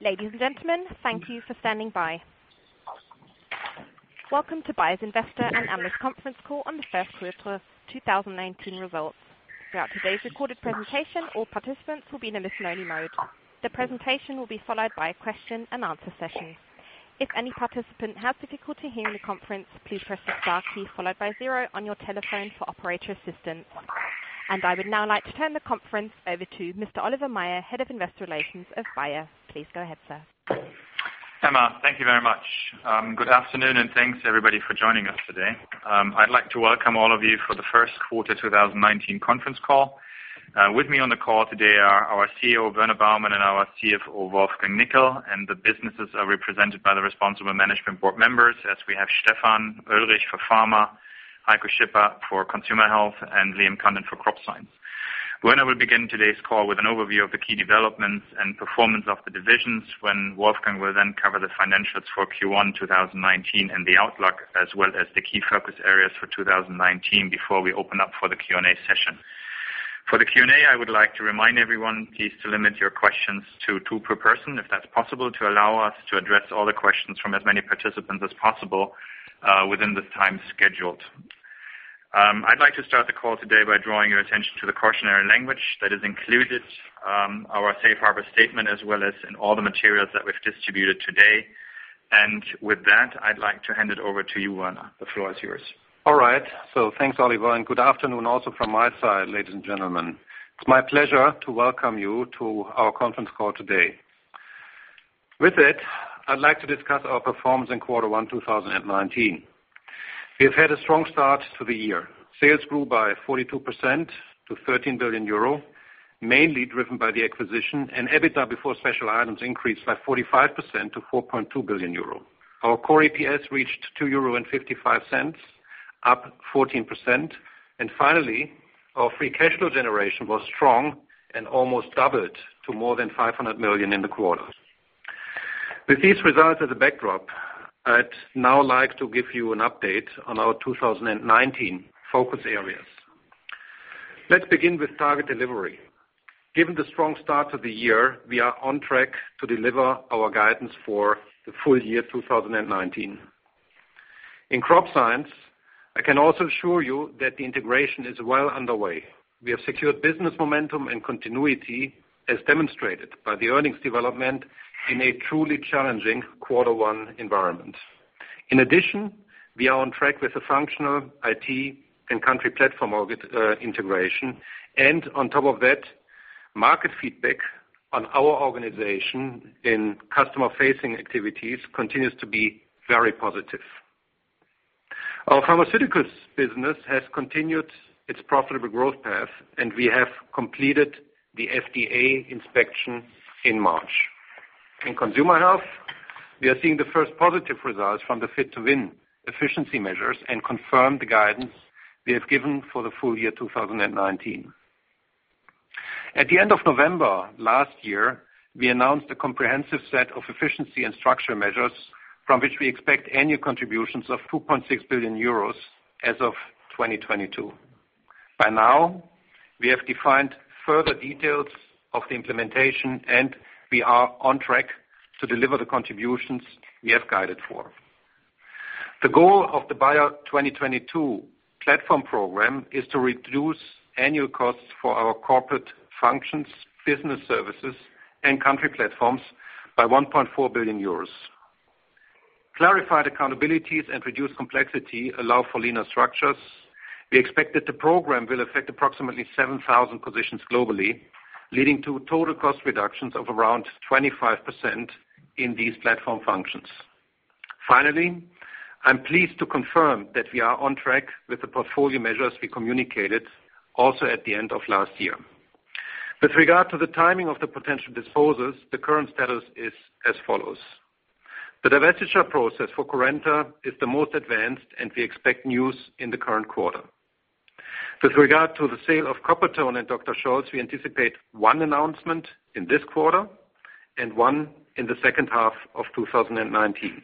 Ladies and gentlemen, thank you for standing by. Welcome to Bayer's investor and analyst conference call on the first quarter 2019 results. Throughout today's recorded presentation, all participants will be in a listen-only mode. The presentation will be followed by a question and answer session. If any participant has difficulty hearing the conference, please press the star key followed by zero on your telephone for operator assistance. I would now like to turn the conference over to Mr. Oliver Maier, Head of Investor Relations of Bayer. Please go ahead, sir. Emma, thank you very much. Good afternoon, and thanks everybody for joining us today. I would like to welcome all of you for the first quarter 2019 conference call. With me on the call today are our CEO, Werner Baumann, and our CFO, Wolfgang Nickl. The businesses are represented by the responsible management board members as we have Stefan Oelrich for Pharma, Heiko Schipper for Consumer Health, and Liam Condon for Crop Science. Werner will begin today's call with an overview of the key developments and performance of the divisions when Wolfgang will then cover the financials for Q1 2019 and the outlook, as well as the key focus areas for 2019 before we open up for the Q&A session. For the Q&A, I would like to remind everyone, please to limit your questions to two per person, if that's possible, to allow us to address all the questions from as many participants as possible within the time scheduled. I would like to start the call today by drawing your attention to the cautionary language that is included, our safe harbor statement, as well as in all the materials that we've distributed today. With that, I would like to hand it over to you, Werner. The floor is yours. All right. Thanks, Oliver, and good afternoon also from my side, ladies and gentlemen. It's my pleasure to welcome you to our conference call today. With that, I would like to discuss our performance in quarter one 2019. We've had a strong start to the year. Sales grew by 42% to 13 billion euro, mainly driven by the acquisition and EBITDA before special items increased by 45% to 4.2 billion euro. Our core EPS reached 2.55 euro, up 14%. Finally, our free cash flow generation was strong and almost doubled to more than 500 million in the quarter. With these results as a backdrop, I would now like to give you an update on our 2019 focus areas. Let's begin with target delivery. Given the strong start to the year, we are on track to deliver our guidance for the full year 2019. In Crop Science, I can also assure you that the integration is well underway. We have secured business momentum and continuity as demonstrated by the earnings development in a truly challenging quarter one environment. In addition, we are on track with the functional IT and country platform integration. On top of that, market feedback on our organization in customer-facing activities continues to be very positive. Our Pharmaceuticals business has continued its profitable growth path, and we have completed the FDA inspection in March. In Consumer Health, we are seeing the first positive results from the Fit to Win efficiency measures and confirm the guidance we have given for the full year 2019. At the end of November last year, we announced a comprehensive set of efficiency and structure measures from which we expect annual contributions of 2.6 billion euros as of 2022. By now, we have defined further details of the implementation. We are on track to deliver the contributions we have guided for. The goal of the Bayer 2022 platform program is to reduce annual costs for our corporate functions, business services, and country platforms by 1.4 billion euros. Clarified accountabilities and reduced complexity allow for leaner structures. We expect that the program will affect approximately 7,000 positions globally, leading to total cost reductions of around 25% in these platform functions. Finally, I'm pleased to confirm that we are on track with the portfolio measures we communicated also at the end of last year. With regard to the timing of the potential disposals, the current status is as follows. The divestiture process for Currenta is the most advanced, and we expect news in the current quarter. With regard to the sale of Coppertone and Dr. Scholl's, we anticipate one announcement in this quarter and one in the second half of 2019.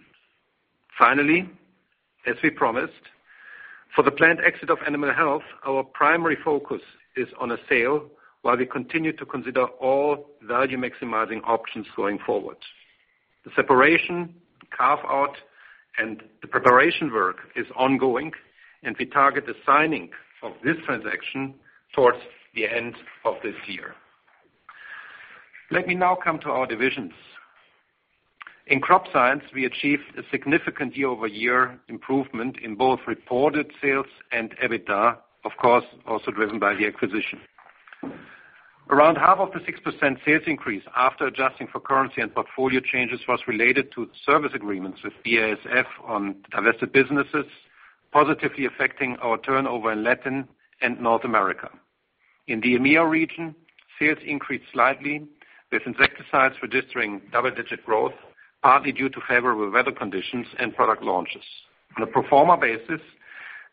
Finally, as we promised, for the planned exit of Animal Health, our primary focus is on a sale while we continue to consider all value-maximizing options going forward. The separation, the carve-out, and the preparation work is ongoing, and we target the signing of this transaction towards the end of this year. Let me now come to our divisions. In Crop Science, we achieved a significant year-over-year improvement in both reported sales and EBITDA, of course, also driven by the acquisition. Around half of the 6% sales increase after adjusting for currency and portfolio changes was related to service agreements with BASF on divested businesses, positively affecting our turnover in Latin and North America. In the EMEA region, sales increased slightly, with insecticides registering double-digit growth, partly due to favorable weather conditions and product launches. On a pro forma basis,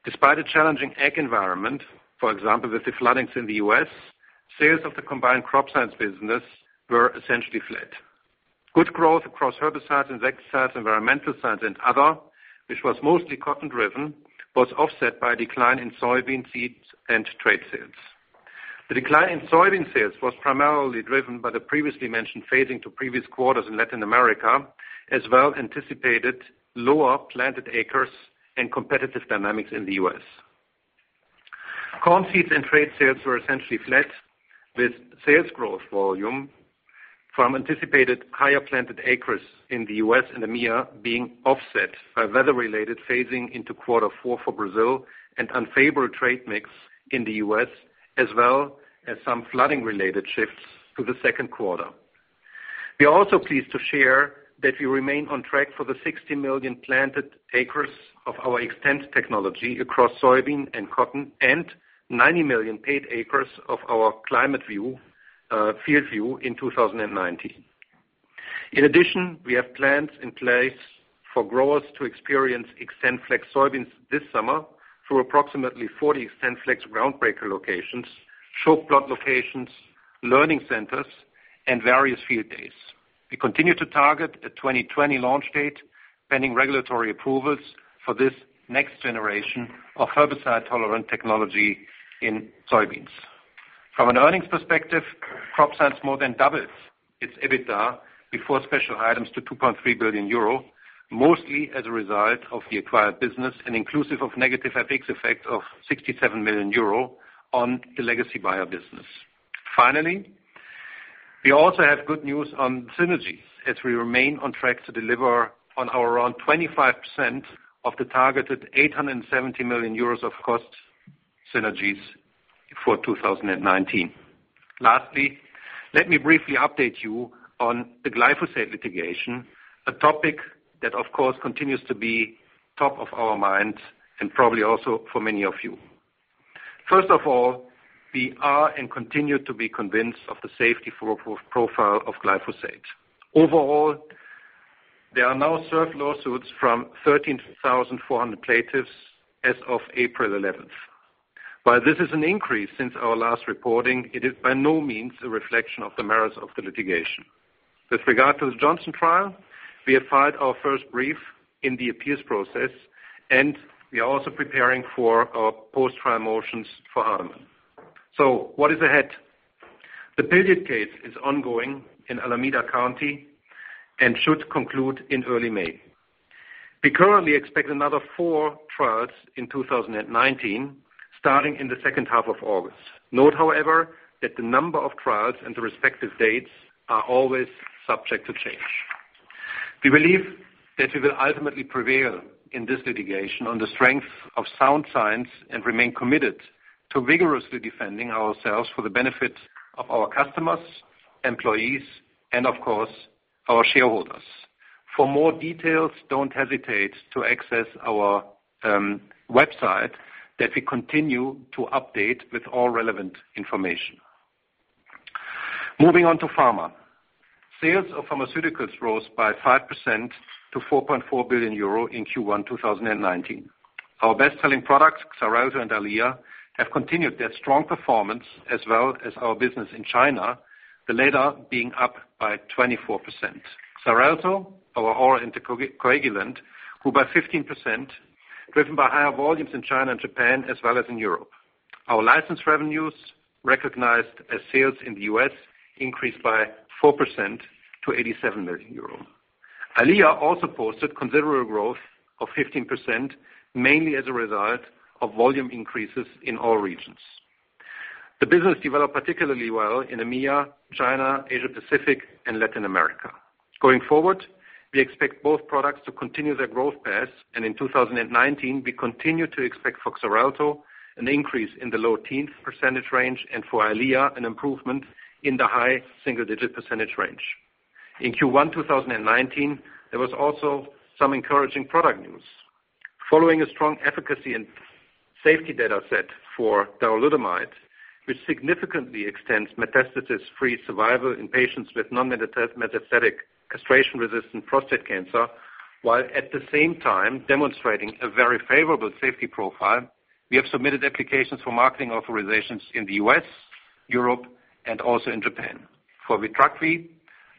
despite a challenging ag environment, for example, with the floodings in the U.S., sales of the combined Crop Science business were essentially good growth across herbicides, insecticides, environmental science and other, which was mostly cotton-driven, was offset by a decline in soybean seeds and trade sales. The decline in soybean sales was primarily driven by the previously mentioned phasing to previous quarters in Latin America, as well anticipated lower planted acres and competitive dynamics in the U.S. Corn seeds and trade sales were essentially flat, with sales growth volume from anticipated higher planted acres in the U.S. and EMEA being offset by weather-related phasing into quarter four for Brazil and unfavorable trade mix in the U.S., as well as some flooding-related shifts to the second quarter. We are also pleased to share that we remain on track for the 60 million planted acres of our Xtend technology across soybean and cotton, and 90 million paid acres of our Climate FieldView in 2019. In addition, we have plans in place for growers to experience XtendFlex soybeans this summer through approximately 40 XtendFlex groundbreaker locations, show plot locations, learning centers, and various field days. We continue to target a 2020 launch date, pending regulatory approvals for this next generation of herbicide-tolerant technology in soybeans. From an earnings perspective, Crop Science more than doubles its EBITDA before special items to 2.3 billion euro, mostly as a result of the acquired business and inclusive of negative FX effect of 67 million euro on the legacy Bayer business. Finally, we also have good news on synergies as we remain on track to deliver on our around 25% of the targeted 870 million euros of cost synergies for 2019. Lastly, let me briefly update you on the glyphosate litigation, a topic that of course continues to be top of our minds and probably also for many of you. First of all, we are and continue to be convinced of the safety profile of glyphosate. Overall, there are now served lawsuits from 13,400 plaintiffs as of April 11th. While this is an increase since our last reporting, it is by no means a reflection of the merits of the litigation. With regard to the Johnson trial, we have filed our first brief in the appeals process, and we are also preparing for our post-trial motions for Hardeman. What is ahead? The Pilliod case is ongoing in Alameda County and should conclude in early May. We currently expect another four trials in 2019, starting in the second half of August. Note, however, that the number of trials and the respective dates are always subject to change. We believe that we will ultimately prevail in this litigation on the strength of sound science and remain committed to vigorously defending ourselves for the benefit of our customers, employees, and of course, our shareholders. For more details, don't hesitate to access our website that we continue to update with all relevant information. Moving on to Pharmaceuticals. Sales of Pharmaceuticals rose by 5% to 4.4 billion euro in Q1 2019. Our best-selling products, XARELTO and Eylea, have continued their strong performance, as well as our business in China, the latter being up by 24%. XARELTO, our oral anticoagulant, grew by 15%, driven by higher volumes in China and Japan as well as in Europe. Our license revenues recognized as sales in the U.S. increased by 4% to 87 million euro. Eylea also posted considerable growth of 15%, mainly as a result of volume increases in all regions. The business developed particularly well in EMEA, China, Asia Pacific and Latin America. Going forward, we expect both products to continue their growth paths, and in 2019, we continue to expect for XARELTO an increase in the low teen percentage range and for Eylea, an improvement in the high single-digit percentage range. In Q1 2019, there was also some encouraging product news. Following a strong efficacy and safety data set for darolutamide, which significantly extends metastasis-free survival in patients with non-metastatic castration-resistant prostate cancer, while at the same time demonstrating a very favorable safety profile, we have submitted applications for marketing authorizations in the U.S., Europe, and also in Japan. For VITRAKVI,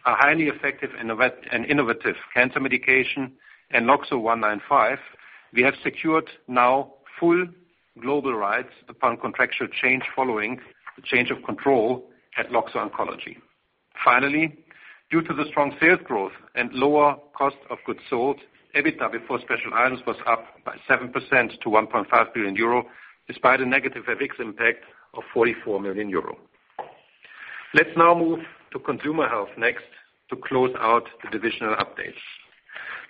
a highly effective and innovative cancer medication, and LOXO-195, we have secured now full global rights upon contractual change following the change of control at Loxo Oncology. Finally, due to the strong sales growth and lower cost of goods sold, EBITDA before special items was up by 7% to 1.5 billion euro, despite a negative FX impact of 44 million euro. Let's now move to Consumer Health next to close out the divisional updates.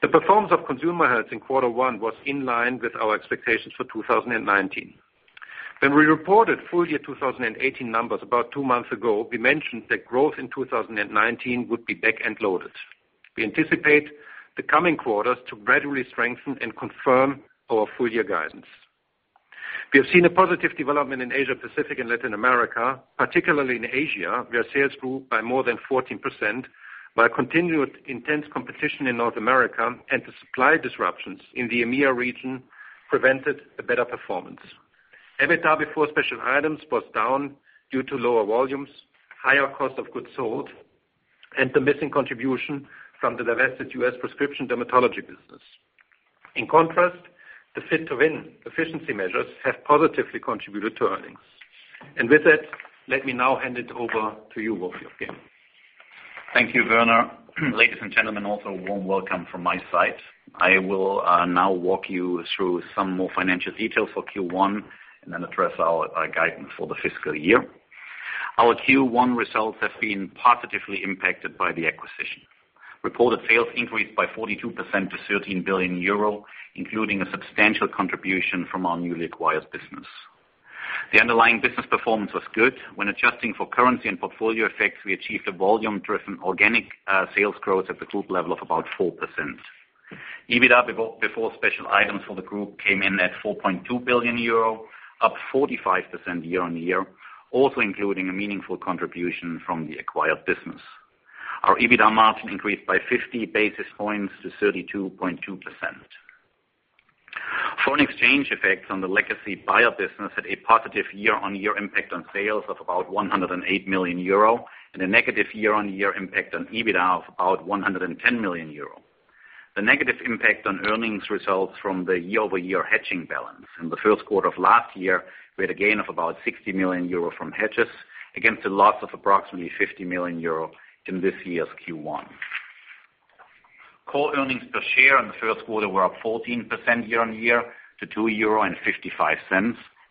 The performance of Consumer Health in quarter one was in line with our expectations for 2019. When we reported full year 2018 numbers about two months ago, we mentioned that growth in 2019 would be back-end loaded. We anticipate the coming quarters to gradually strengthen and confirm our full-year guidance. We have seen a positive development in Asia Pacific and Latin America, particularly in Asia, where sales grew by more than 14%, while continued intense competition in North America and the supply disruptions in the EMEA region prevented a better performance. EBITDA before special items was down due to lower volumes, higher cost of goods sold, and the missing contribution from the divested U.S. prescription dermatology business. In contrast, the Fit to Win efficiency measures have positively contributed to earnings. With that, let me now hand it over to you, Wolfgang. Thank you, Werner. Ladies and gentlemen, also warm welcome from my side. I will now walk you through some more financial details for Q1, then address our guidance for the fiscal year. Our Q1 results have been positively impacted by the acquisition. Reported sales increased by 42% to 13 billion euro, including a substantial contribution from our newly acquired business. The underlying business performance was good. When adjusting for currency and portfolio effects, we achieved a volume-driven organic sales growth at the group level of about 4%. EBITDA before special items for the group came in at 4.2 billion euro, up 45% year-on-year, also including a meaningful contribution from the acquired business. Our EBITDA margin increased by 50 basis points to 32.2%. Foreign exchange effects on the legacy Bayer business had a positive year-on-year impact on sales of about 108 million euro, and a negative year-on-year impact on EBITDA of about 110 million euro. The negative impact on earnings results from the year-over-year hedging balance. In the first quarter of last year, we had a gain of about 60 million euro from hedges against a loss of approximately 50 million euro in this year's Q1. Core earnings per share in the first quarter were up 14% year-on-year to 2.55 euro,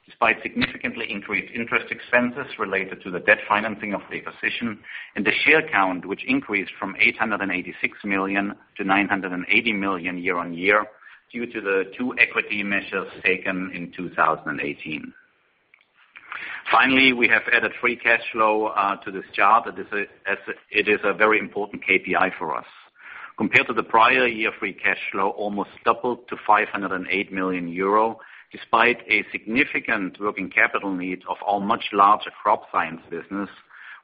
despite significantly increased interest expenses related to the debt financing of the acquisition, and the share count, which increased from 886 million to 980 million year-on-year due to the two equity measures taken in 2018. Finally, we have added free cash flow to this chart. It is a very important KPI for us. Compared to the prior year, free cash flow almost doubled to 508 million euro, despite a significant working capital need of our much larger Crop Science business,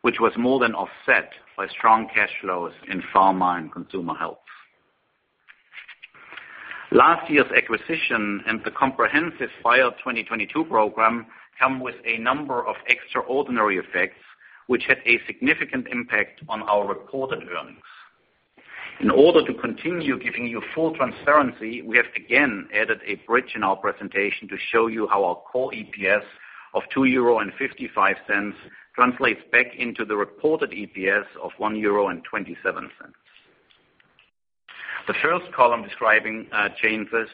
which was more than offset by strong cash flows in pharma and Consumer Health. Last year's acquisition and the comprehensive Bayer 2022 program come with a number of extraordinary effects, which had a significant impact on our reported earnings. In order to continue giving you full transparency, we have again added a bridge in our presentation to show you how our core EPS of 2.55 euro translates back into the reported EPS of 1.27 euro. The first column describing changes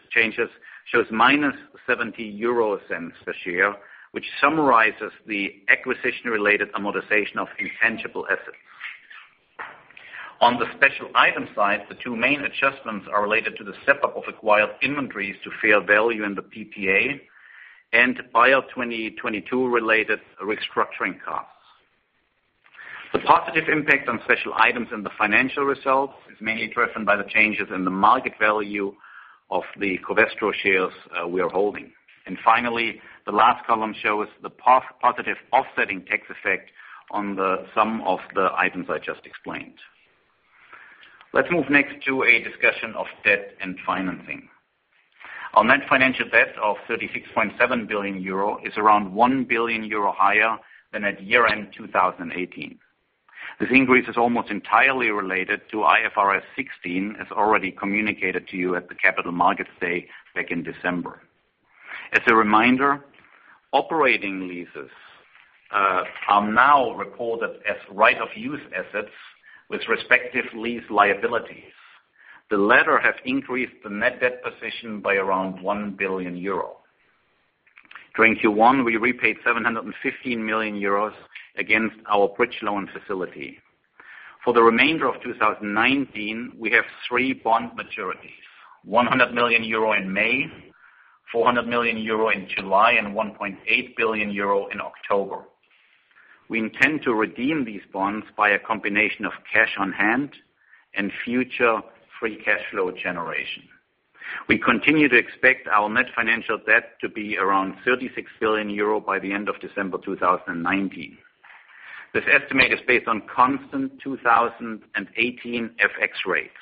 shows minus 0.70 a share, which summarizes the acquisition-related amortization of intangible assets. On the special item side, the two main adjustments are related to the step-up of acquired inventories to fair value in the PPA and Bayer 2022 related restructuring costs. The positive impact on special items in the financial results is mainly driven by the changes in the market value of the Covestro shares we are holding. Finally, the last column shows the positive offsetting tax effect on the sum of the items I just explained. Let's move next to a discussion of debt and financing. Our net financial debt of 36.7 billion euro is around 1 billion euro higher than at year-end 2018. This increase is almost entirely related to IFRS 16, as already communicated to you at the Capital Markets Day back in December. As a reminder, operating leases are now reported as right-of-use assets with respective lease liabilities. The latter have increased the net debt position by around 1 billion euro. During Q1, we repaid 715 million euros against our bridge loan facility. For the remainder of 2019, we have three bond maturities, 100 million euro in May, 400 million euro in July, and 1.8 billion euro in October. We intend to redeem these bonds by a combination of cash on hand and future free cash flow generation. We continue to expect our net financial debt to be around 36 billion euro by the end of December 2019. This estimate is based on constant 2018 FX rates.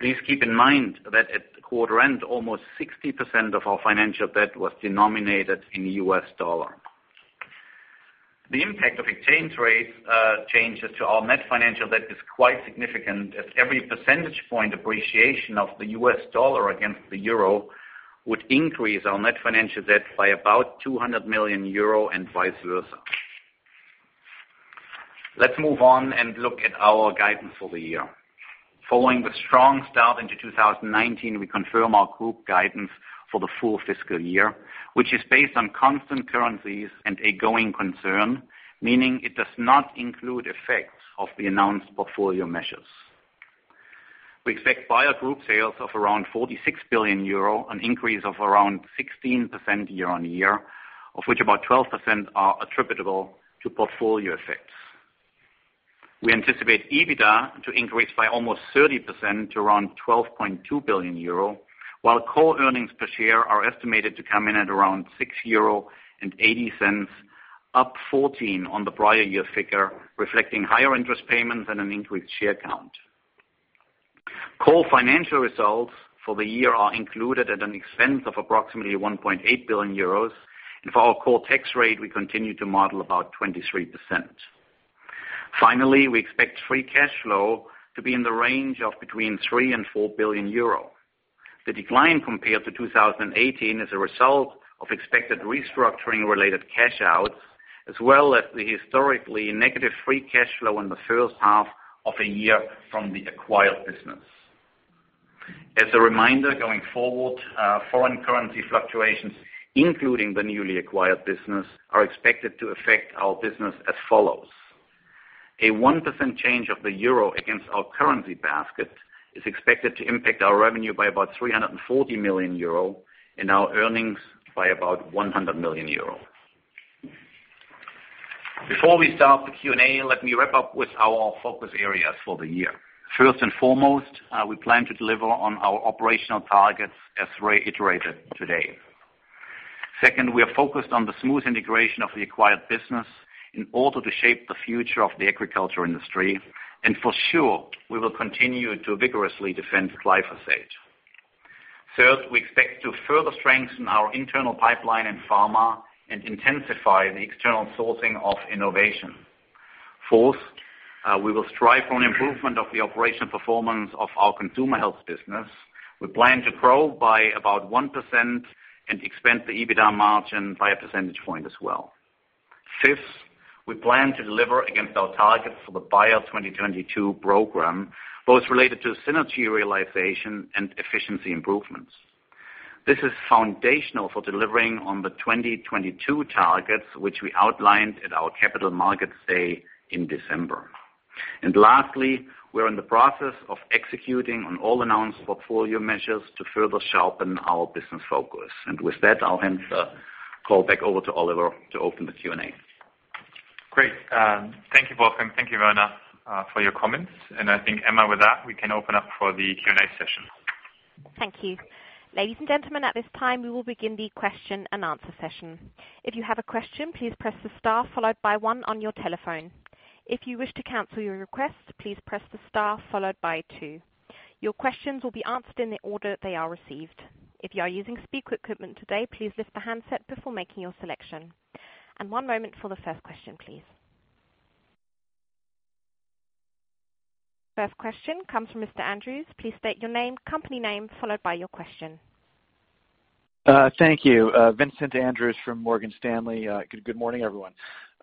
Please keep in mind that at quarter end, almost 60% of our financial debt was denominated in the US dollar. The impact of exchange rates changes to our net financial debt is quite significant, as every percentage point appreciation of the US dollar against the euro would increase our net financial debt by about 200 million euro and vice versa. Let's move on and look at our guidance for the year. Following the strong start into 2019, we confirm our group guidance for the full fiscal year, which is based on constant currencies and a going concern, meaning it does not include effects of the announced portfolio measures. We expect Bayer Group sales of around 46 billion euro, an increase of around 16% year-on-year, of which about 12% are attributable to portfolio effects. We anticipate EBITDA to increase by almost 30% to around 12.2 billion euro, while core earnings per share are estimated to come in at around 6.80 euro, up 14 on the prior year figure, reflecting higher interest payments and an increased share count. Core financial results for the year are included at an expense of approximately 1.8 billion euros. For our core tax rate, we continue to model about 23%. Finally, we expect free cash flow to be in the range of between 3 billion and 4 billion euro. The decline compared to 2018 is a result of expected restructuring related cash outs, as well as the historically negative free cash flow in the first half of the year from the acquired business. As a reminder, going forward, foreign currency fluctuations, including the newly acquired business, are expected to affect our business as follows. A 1% change of the euro against our currency basket is expected to impact our revenue by about 340 million euro and our earnings by about 100 million euro. Before we start the Q&A, let me wrap up with our focus areas for the year. First and foremost, we plan to deliver on our operational targets as reiterated today. Second, we are focused on the smooth integration of the acquired business in order to shape the future of the agriculture industry. For sure, we will continue to vigorously defend glyphosate. Third, we expect to further strengthen our internal pipeline in pharma and intensify the external sourcing of innovation. Fourth, we will strive on improvement of the operational performance of our Consumer Health business. We plan to grow by about 1% and expand the EBITDA margin by a percentage point as well. Fifth, we plan to deliver against our targets for the Bayer 2022 program, both related to synergy realization and efficiency improvements. This is foundational for delivering on the 2022 targets, which we outlined at our Capital Markets Day in December. Lastly, we're in the process of executing on all announced portfolio measures to further sharpen our business focus. With that, I'll hand the call back over to Oliver to open the Q&A. Great. Thank you, Wolfgang. Thank you, Werner, for your comments. I think, Emma, with that, we can open up for the Q&A session. Thank you. Ladies and gentlemen, at this time, we will begin the question and answer session. If you have a question, please press the star followed by one on your telephone. If you wish to cancel your request, please press the star followed by two. Your questions will be answered in the order they are received. If you are using speaker equipment today, please lift the handset before making your selection. One moment for the first question, please. First question comes from Mr. Andrews. Please state your name, company name, followed by your question. Thank you. Vincent Andrews from Morgan Stanley. Good morning, everyone.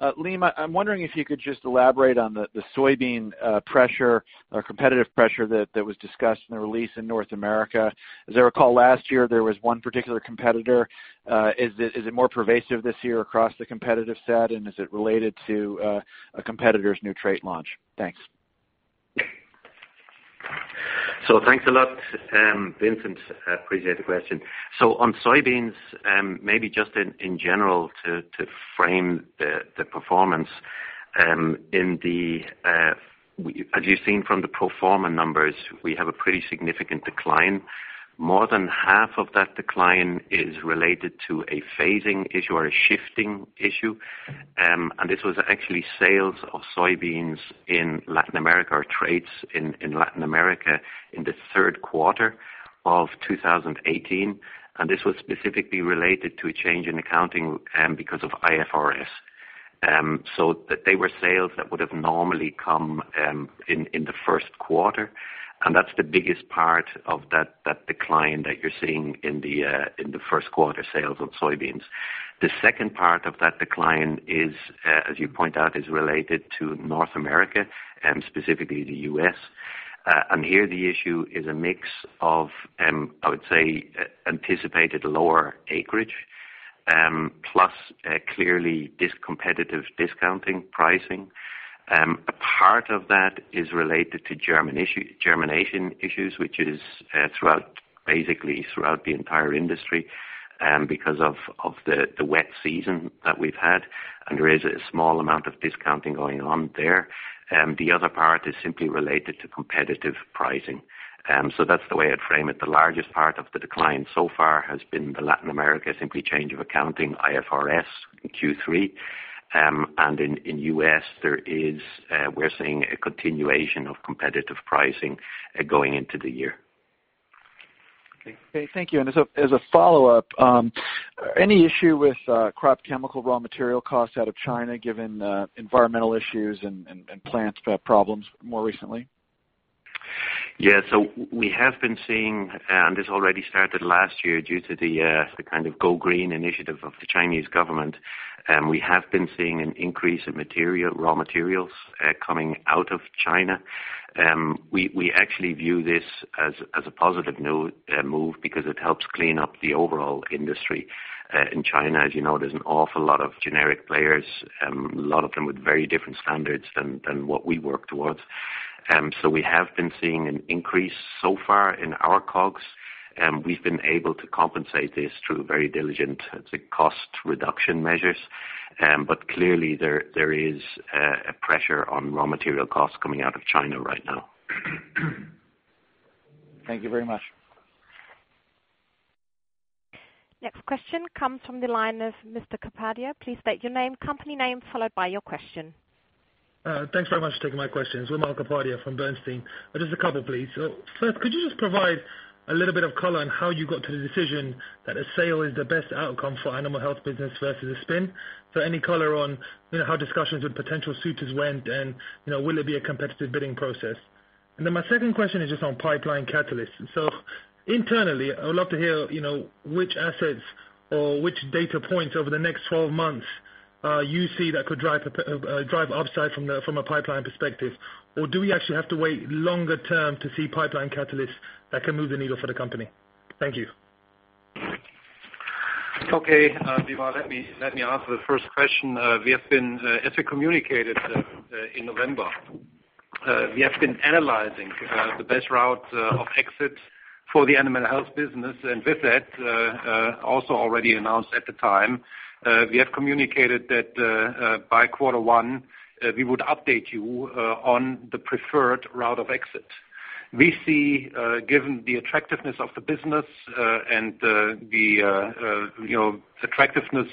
Liam, I'm wondering if you could just elaborate on the soybean pressure or competitive pressure that was discussed in the release in North America. As I recall, last year, there was one particular competitor. Is it more pervasive this year across the competitive set, and is it related to a competitor's new trait launch? Thanks. Thanks a lot, Vincent. Appreciate the question. On soybeans, maybe just in general to frame the performance, as you've seen from the pro forma numbers, we have a pretty significant decline. More than half of that decline is related to a phasing issue or a shifting issue. This was actually sales of soybeans in Latin America or trades in Latin America in the third quarter of 2018. This was specifically related to a change in accounting because of IFRS. They were sales that would have normally come in the first quarter, and that's the biggest part of that decline that you're seeing in the first quarter sales of soybeans. The second part of that decline, as you point out, is related to North America, specifically the U.S. Here the issue is a mix of, I would say, anticipated lower acreage, plus clearly competitive discounting pricing. A part of that is related to germination issues, which is basically throughout the entire industry because of the wet season that we've had, and there is a small amount of discounting going on there. The other part is simply related to competitive pricing. That's the way I'd frame it. The largest part of the decline so far has been the Latin America simply change of accounting, IFRS in Q3. In U.S., we're seeing a continuation of competitive pricing going into the year. Okay. Thank you. As a follow-up, any issue with crop chemical raw material costs out of China given environmental issues and plant problems more recently? Yeah. We have been seeing, and this already started last year due to the Go Green initiative of the Chinese government. We have been seeing an increase in raw materials coming out of China. We actually view this as a positive move because it helps clean up the overall industry in China. As you know, there's an awful lot of generic players, a lot of them with very different standards than what we work towards. We have been seeing an increase so far in our COGS. We've been able to compensate this through very diligent cost reduction measures. Clearly, there is a pressure on raw material costs coming out of China right now. Thank you very much. Question comes from the line of Mr. Kapadia. Please state your name, company name, followed by your question. Thanks very much for taking my questions. Wimal Kapadia from Bernstein. Just a couple, please. First, could you just provide a little bit of color on how you got to the decision that a sale is the best outcome for Animal Health business versus a spin? Any color on how discussions with potential suitors went and will it be a competitive bidding process? My second question is just on pipeline catalysts. Internally, I would love to hear which assets or which data points over the next 12 months you see that could drive upside from a pipeline perspective. Or do we actually have to wait longer term to see pipeline catalysts that can move the needle for the company? Thank you. Okay, Wimal, let me answer the first question. As we communicated in November, we have been analyzing the best route of exit for the Animal Health business. With that, also already announced at the time, we have communicated that by quarter one, we would update you on the preferred route of exit. We see, given the attractiveness of the business and the attractiveness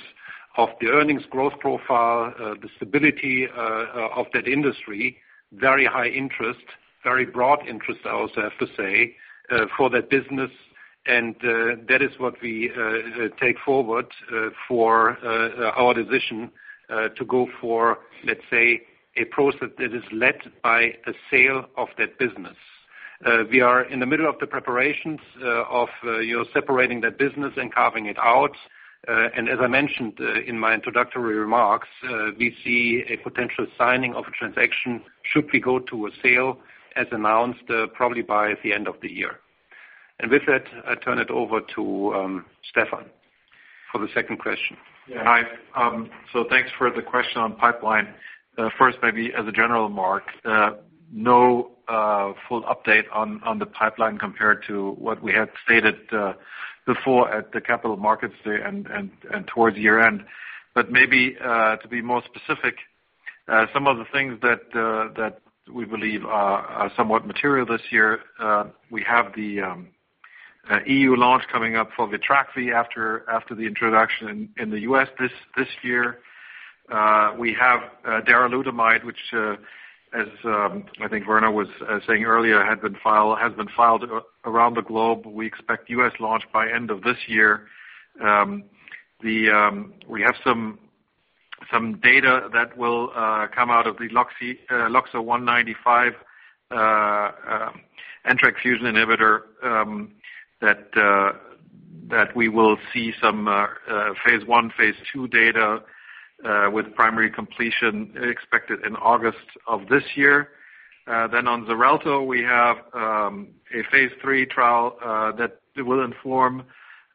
of the earnings growth profile, the stability of that industry, very high interest, very broad interest, I also have to say, for that business. That is what we take forward for our decision to go for, let's say, a process that is led by a sale of that business. We are in the middle of the preparations of separating that business and carving it out. As I mentioned in my introductory remarks, we see a potential signing of a transaction should we go to a sale as announced, probably by the end of the year. With that, I turn it over to Stefan for the second question. Hi. Thanks for the question on pipeline. First, maybe as a general remark, no full update on the pipeline compared to what we had stated before at the Capital Markets Day and towards year-end. Maybe to be more specific, some of the things that we believe are somewhat material this year, we have the EU launch coming up for VITRAKVI after the introduction in the U.S. this year. We have darolutamide, which as I think Werner was saying earlier, has been filed around the globe. We expect U.S. launch by end of this year. We have some data that will come out of the LOXO-195, NTRK fusion inhibitor that we will see some phase I, phase II data with primary completion expected in August of this year. On XARELTO, we have a phase III trial that will inform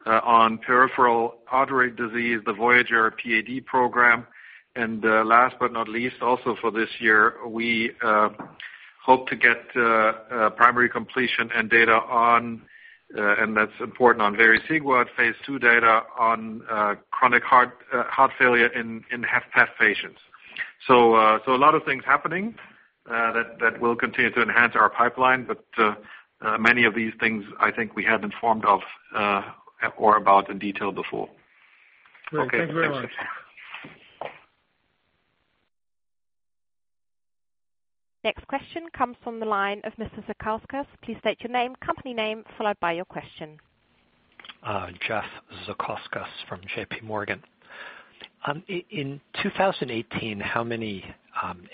on peripheral artery disease, the VOYAGER PAD program. Last but not least, also for this year, we hope to get primary completion and data on, and that's important on vericiguat phase II data on chronic heart failure in HFpEF patients. A lot of things happening that will continue to enhance our pipeline. Many of these things I think we have informed of or about in detail before. Great. Thank you very much. Next question comes from the line of Mr. Zekauskas. Please state your name, company name, followed by your question. Jeff Zekauskas from JPMorgan. In 2018, how many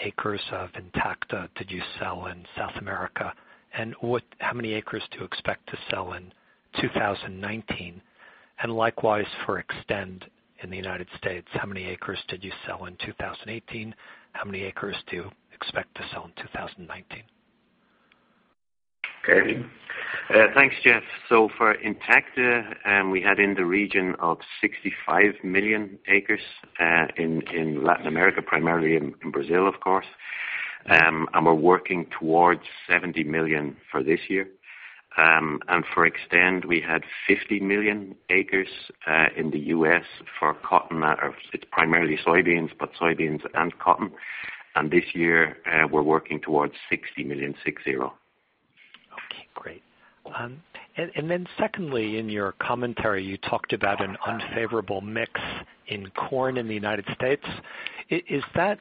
acres of Intacta did you sell in South America? How many acres do you expect to sell in 2019? For Xtend in the U.S., how many acres did you sell in 2018? How many acres do you expect to sell in 2019? Okay. Thanks, Jeff. For Intacta, we had in the region of 65 million acres in Latin America, primarily in Brazil, of course. We're working towards 70 million for this year. For Xtend, we had 50 million acres in the U.S. for cotton. It's primarily soybeans, but soybeans and cotton. This year, we're working towards 60 million, 6, 0. Okay, great. Secondly, in your commentary, you talked about an unfavorable mix in corn in the U.S. Is that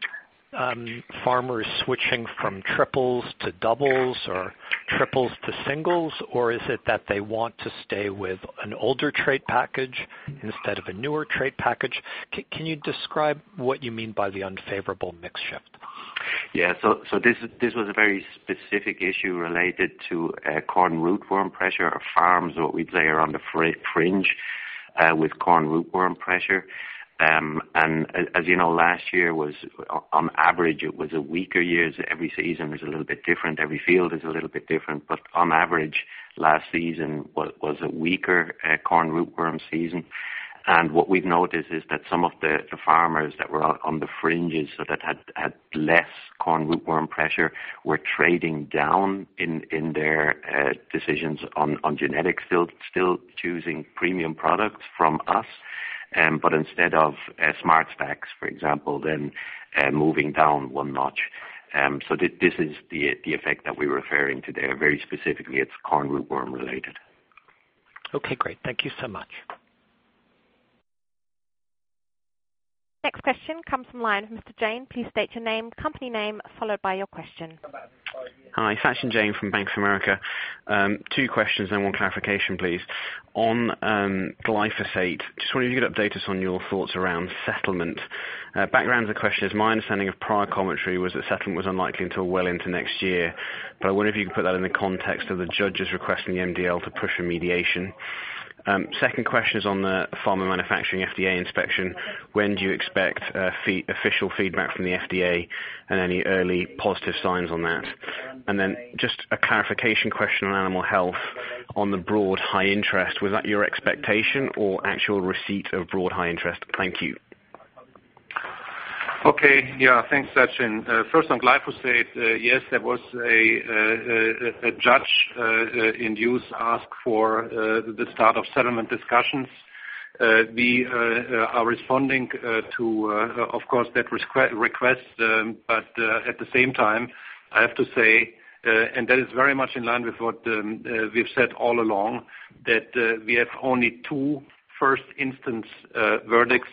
farmers switching from triples to doubles or triples to singles? Is it that they want to stay with an older trait package instead of a newer trait package? Can you describe what you mean by the unfavorable mix shift? Yeah. This was a very specific issue related to corn rootworm pressure or farms, what we'd say are on the fringe with corn rootworm pressure. As you know, last year on average, it was a weaker year. Every season is a little bit different. Every field is a little bit different, but on average, last season was a weaker corn rootworm season. What we've noticed is that some of the farmers that were on the fringes that had less corn rootworm pressure were trading down in their decisions on genetic field, still choosing premium products from us. Instead of SmartStax, for example, then moving down one notch. This is the effect that we're referring to there. Very specifically, it's corn rootworm related. Okay, great. Thank you so much. Next question comes from the line of Mr. Jain. Please state your name, company name, followed by your question. Hi. Sachin Jain from Bank of America. Two questions and one clarification, please. On glyphosate, just wondering if you could update us on your thoughts around settlement. Background of the question is my understanding of prior commentary was that settlement was unlikely until well into next year. I wonder if you could put that in the context of the judges requesting the MDL to push remediation. Second question is on the pharma manufacturing FDA inspection. When do you expect official feedback from the FDA and any early positive signs on that? Just a clarification question on Animal Health, on the broad high interest. Was that your expectation or actual receipt of broad high interest? Thank you. Okay. Yeah. Thanks, Sachin. First on glyphosate. Yes, there was a judge in U.S. asked for the start of settlement discussions. We are responding to, of course, that request. At the same time, I have to say, and that is very much in line with what we've said all along, that we have only two first instance verdicts.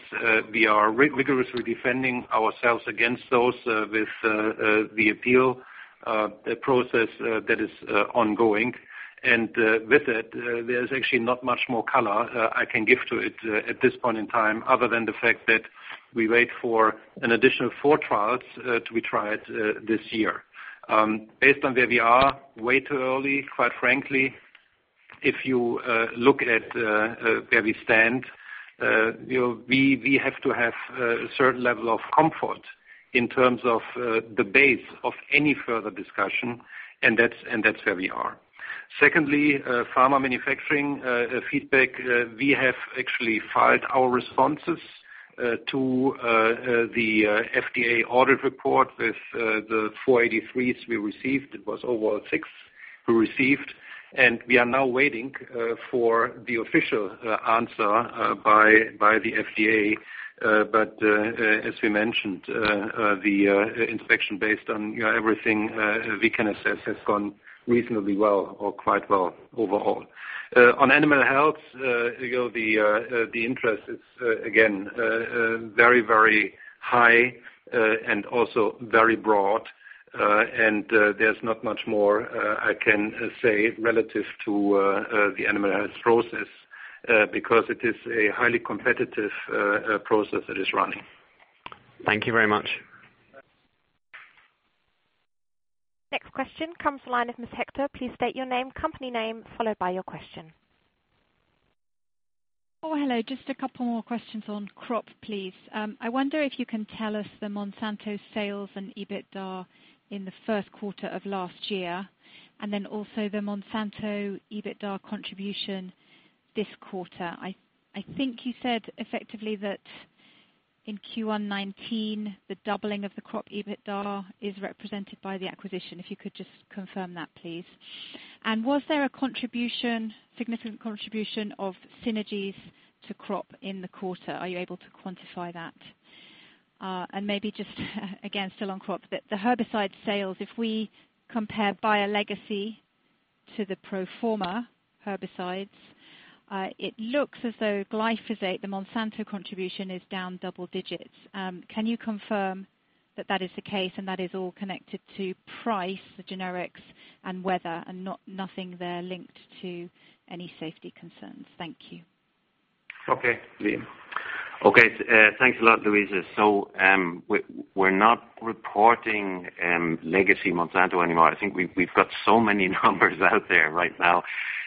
We are vigorously defending ourselves against those with the appeal process that is ongoing. With it, there's actually not much more color I can give to it at this point in time, other than the fact that we wait for an additional four trials to be tried this year. Based on where we are, way too early, quite frankly. If you look at where we stand, we have to have a certain level of comfort in terms of the base of any further discussion, and that's where we are. Secondly, pharma manufacturing feedback. We have actually filed our responses to the FDA audit report with the 483s we received. It was overall six we received, and we are now waiting for the official answer by the FDA. As we mentioned, the inspection based on everything we can assess has gone reasonably well or quite well overall. On Animal Health, the interest is again, very, very high and also very broad. There's not much more I can say relative to the Animal Health process, because it is a highly competitive process that is running. Thank you very much. Next question comes to the line of Ms. Hector. Please state your name, company name, followed by your question. Oh, hello. Just a couple more questions on Crop, please. I wonder if you can tell us the Monsanto sales and EBITDA in the first quarter of last year, then also the Monsanto EBITDA contribution this quarter. I think you said effectively that in Q1 2019, the doubling of the Crop EBITDA is represented by the acquisition. If you could just confirm that, please. Was there a significant contribution of synergies to Crop in the quarter? Are you able to quantify that? Maybe just again, still on Crops, but the herbicide sales, if we compare Bayer Legacy to the pro forma herbicides, it looks as though glyphosate, the Monsanto contribution, is down double digits. Can you confirm that that is the case and that is all connected to price, the generics, and weather, and nothing there linked to any safety concerns? Thank you. Okay. Thanks a lot, Luisa. We're not reporting legacy Monsanto anymore. I think we've got so many numbers out there right now,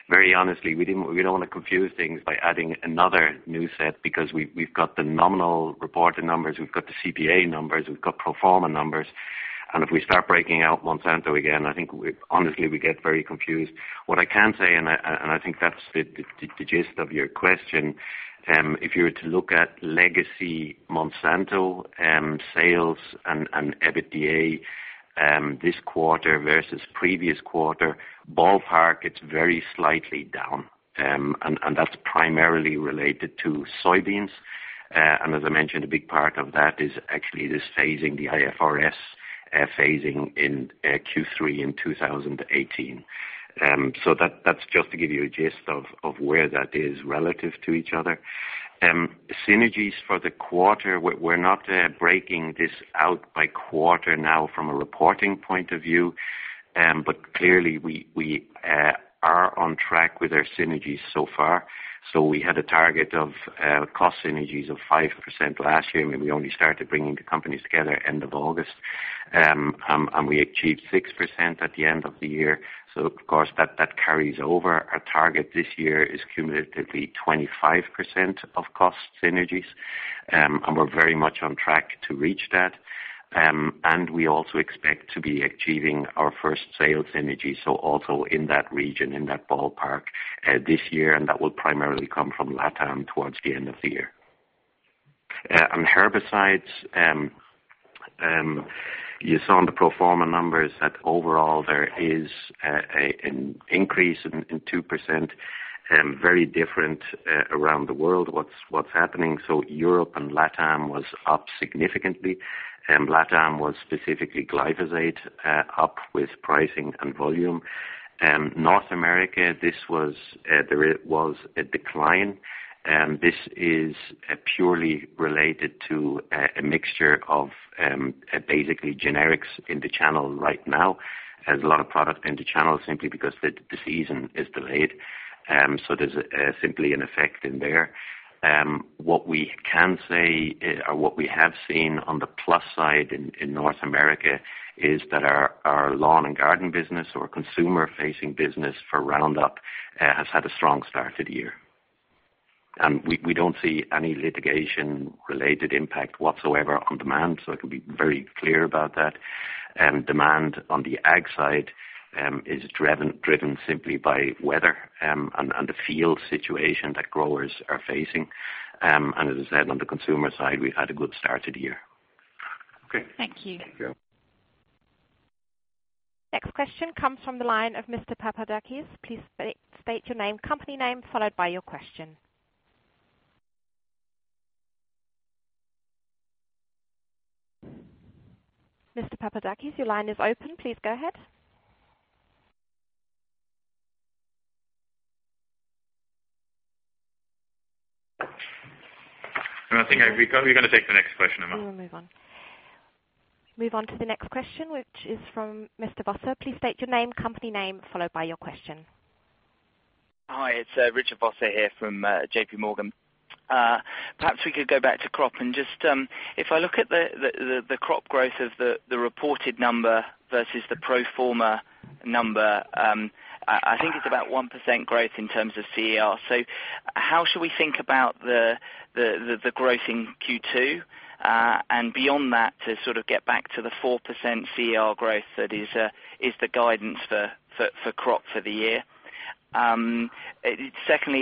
very honestly, we don't want to confuse things by adding another new set because we've got the nominal reported numbers, we've got the CPA numbers, we've got pro forma numbers, if we start breaking out Monsanto again, I think honestly, we get very confused. What I can say, and I think that's the gist of your question, if you were to look at legacy Monsanto sales and EBITDA this quarter versus previous quarter, ballpark, it's very slightly down, and that's primarily related to soybeans. As I mentioned, a big part of that is actually this phasing the IFRS phasing in Q3 in 2018. That's just to give you a gist of where that is relative to each other. Synergies for the quarter, we're not breaking this out by quarter now from a reporting point of view, but clearly we are on track with our synergies so far. We had a target of cost synergies of 5% last year, and we only started bringing the companies together end of August. We achieved 6% at the end of the year. Of course that carries over. Our target this year is cumulatively 25% of cost synergies, and we're very much on track to reach that. We also expect to be achieving our first sales synergies, also in that region, in that ballpark this year, and that will primarily come from LATAM towards the end of the year. On herbicides, you saw in the pro forma numbers that overall there is an increase in 2%, very different around the world what's happening. Europe and LATAM was up significantly. LATAM was specifically glyphosate up with pricing and volume. North America, there was a decline, and this is purely related to a mixture of basically generics in the channel right now. There's a lot of product in the channel simply because the season is delayed. There's simply an effect in there. What we have seen on the plus side in North America is that our lawn and garden business or consumer-facing business for Roundup has had a strong start to the year. We don't see any litigation-related impact whatsoever on demand, I can be very clear about that. Demand on the ag side is driven simply by weather and the field situation that growers are facing. As I said, on the consumer side, we've had a good start to the year. Okay. Thank you. Thank you. Next question comes from the line of Mr. Papadakis. Please state your name, company name, followed by your question. Mr. Papadakis, your line is open. Please go ahead. I think are we going to take the next question, Emma? We will move on. Move on to the next question, which is from Mr. Vosser. Please state your name, company name, followed by your question. Hi, it's Richard Vosser here from J.P. Morgan. Perhaps we could go back to crop. If I look at the crop growth of the reported number versus the pro forma number, I think it's about 1% growth in terms of CER. How should we think about the growth in Q2, and beyond that to sort of get back to the 4% CER growth that is the guidance for crop for the year? Secondly,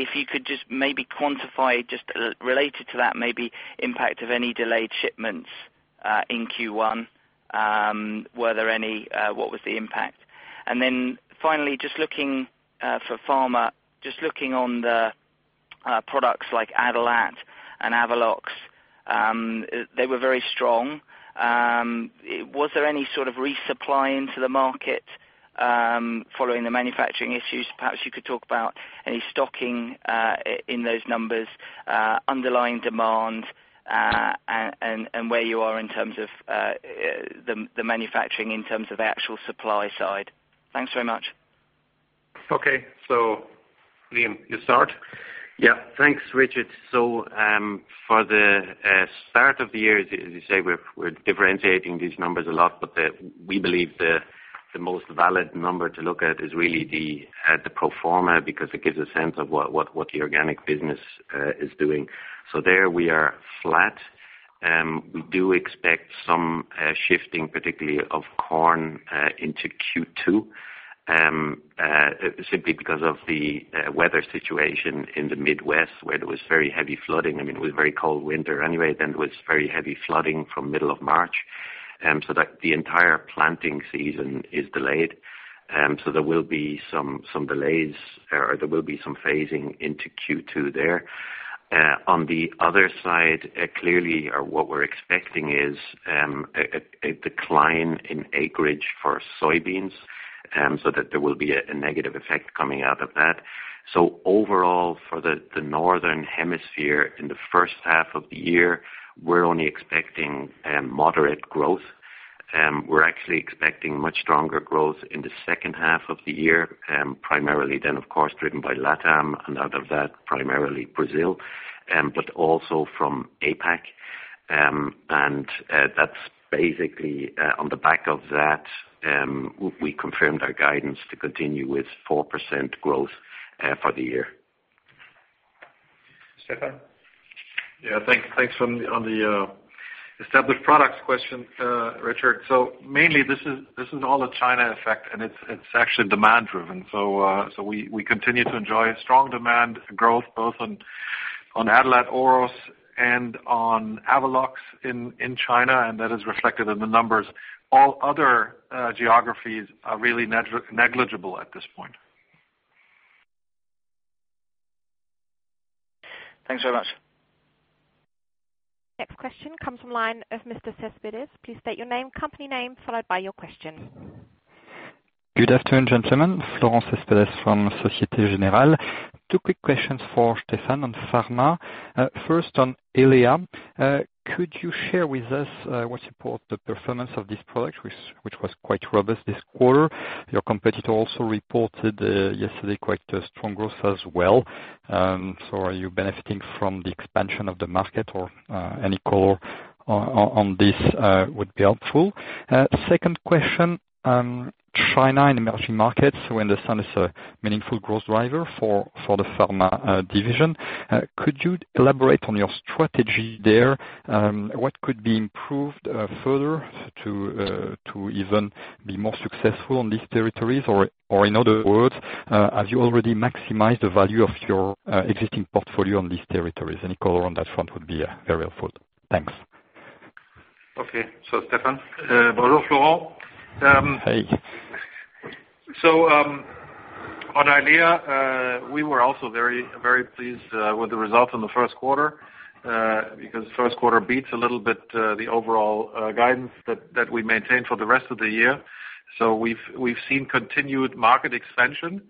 if you could just maybe quantify just related to that maybe impact of any delayed shipments in Q1. Were there any? What was the impact? Finally, just looking for pharma, just looking on the products like Adalat and AVELOX, they were very strong. Was there any sort of resupply into the market following the manufacturing issues? Perhaps you could talk about any stocking in those numbers, underlying demand, and where you are in terms of the manufacturing in terms of actual supply side. Thanks very much. Okay. Liam, you start? Yeah. Thanks, Richard. For the start of the year, as you say, we're differentiating these numbers a lot, but we believe the most valid number to look at is really the pro forma because it gives a sense of what the organic business is doing. There we are flat. We do expect some shifting, particularly of corn into Q2, simply because of the weather situation in the Midwest where there was very heavy flooding. It was a very cold winter anyway, there was very heavy flooding from middle of March, the entire planting season is delayed. There will be some phasing into Q2 there. On the other side, clearly what we're expecting is a decline in acreage for soybeans, that there will be a negative effect coming out of that. Overall for the northern hemisphere in the first half of the year, we're only expecting moderate growth. We're actually expecting much stronger growth in the second half of the year, primarily then of course driven by LATAM, and out of that, primarily Brazil. Also from APAC. On the back of that, we confirmed our guidance to continue with 4% growth for the year. Stefan? Yeah, thanks on the established products question, Richard. Mainly this is all a China effect, and it's actually demand driven. We continue to enjoy strong demand growth both on Adalat Oros and on AVELOX in China, and that is reflected in the numbers. All other geographies are really negligible at this point. Thanks very much. Next question comes from line of Mr. Cespedes. Please state your name, company name, followed by your question. Good afternoon, gentlemen. Florent Cespedes from Societe Generale. Two quick questions for Stefan on pharma. First on Eylea. Could you share with us what support the performance of this product, which was quite robust this quarter? Your competitor also reported yesterday quite a strong growth as well. Are you benefiting from the expansion of the market, or any color on this would be helpful. Second question, China and emerging markets, we understand it's a meaningful growth driver for the pharma division. Could you elaborate on your strategy there? What could be improved further to even be more successful on these territories? In other words, have you already maximized the value of your existing portfolio on these territories? Any color on that front would be very helpful. Thanks. Okay. Stefan. Florent. Hi. On Eylea, we were also very pleased with the results in the first quarter, because the first quarter beats a little bit the overall guidance that we maintained for the rest of the year. We've seen continued market expansion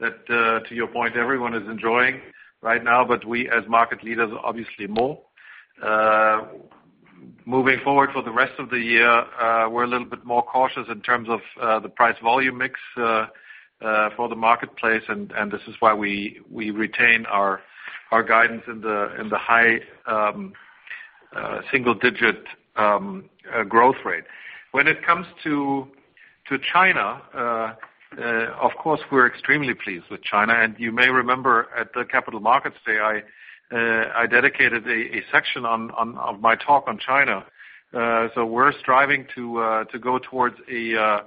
that, to your point, everyone is enjoying right now, but we as market leaders, obviously more. Moving forward for the rest of the year, we're a little bit more cautious in terms of the price volume mix for the marketplace, and this is why we retain our guidance in the high single-digit growth rate. When it comes to China, of course, we're extremely pleased with China. You may remember at the Capital Markets Day, I dedicated a section of my talk on China. We're striving to go towards sales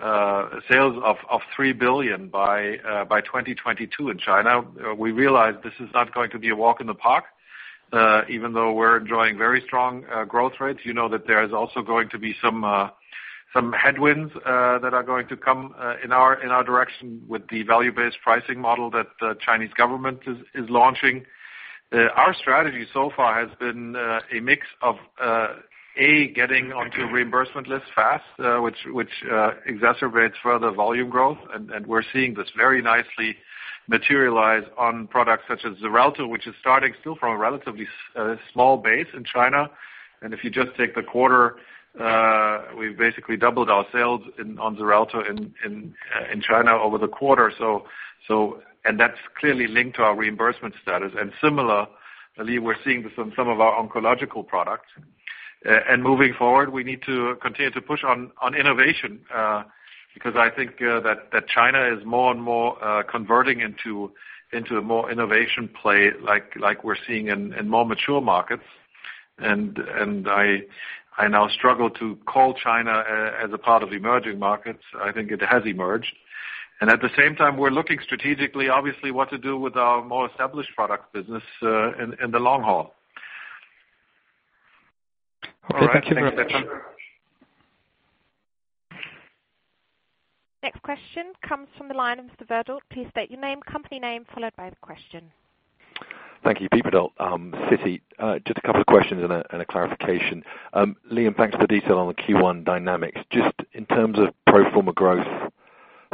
of 3 billion by 2022 in China. We realize this is not going to be a walk in the park, even though we're enjoying very strong growth rates. You know that there is also going to be some headwinds that are going to come in our direction with the value-based pricing model that the Chinese government is launching. Our strategy so far has been a mix of, A, getting onto reimbursement lists fast, which exacerbates further volume growth. We're seeing this very nicely materialize on products such as XARELTO, which is starting still from a relatively small base in China. If you just take the quarter, we've basically doubled our sales on XARELTO in China over the quarter. That's clearly linked to our reimbursement status. Similar, I believe we're seeing this on some of our oncological products. Moving forward, we need to continue to push on innovation, because I think that China is more and more converting into a more innovation play like we're seeing in more mature markets. I now struggle to call China as a part of emerging markets. I think it has emerged. At the same time, we're looking strategically, obviously, what to do with our more established product business in the long haul. All right. Thank you very much. Next question comes from the line of Mr. Verdult. Please state your name, company name, followed by the question. Thank you. Pete Verdult, Citi. Just a couple of questions and a clarification. Liam, thanks for the detail on the Q1 dynamics. Just in terms of pro forma growth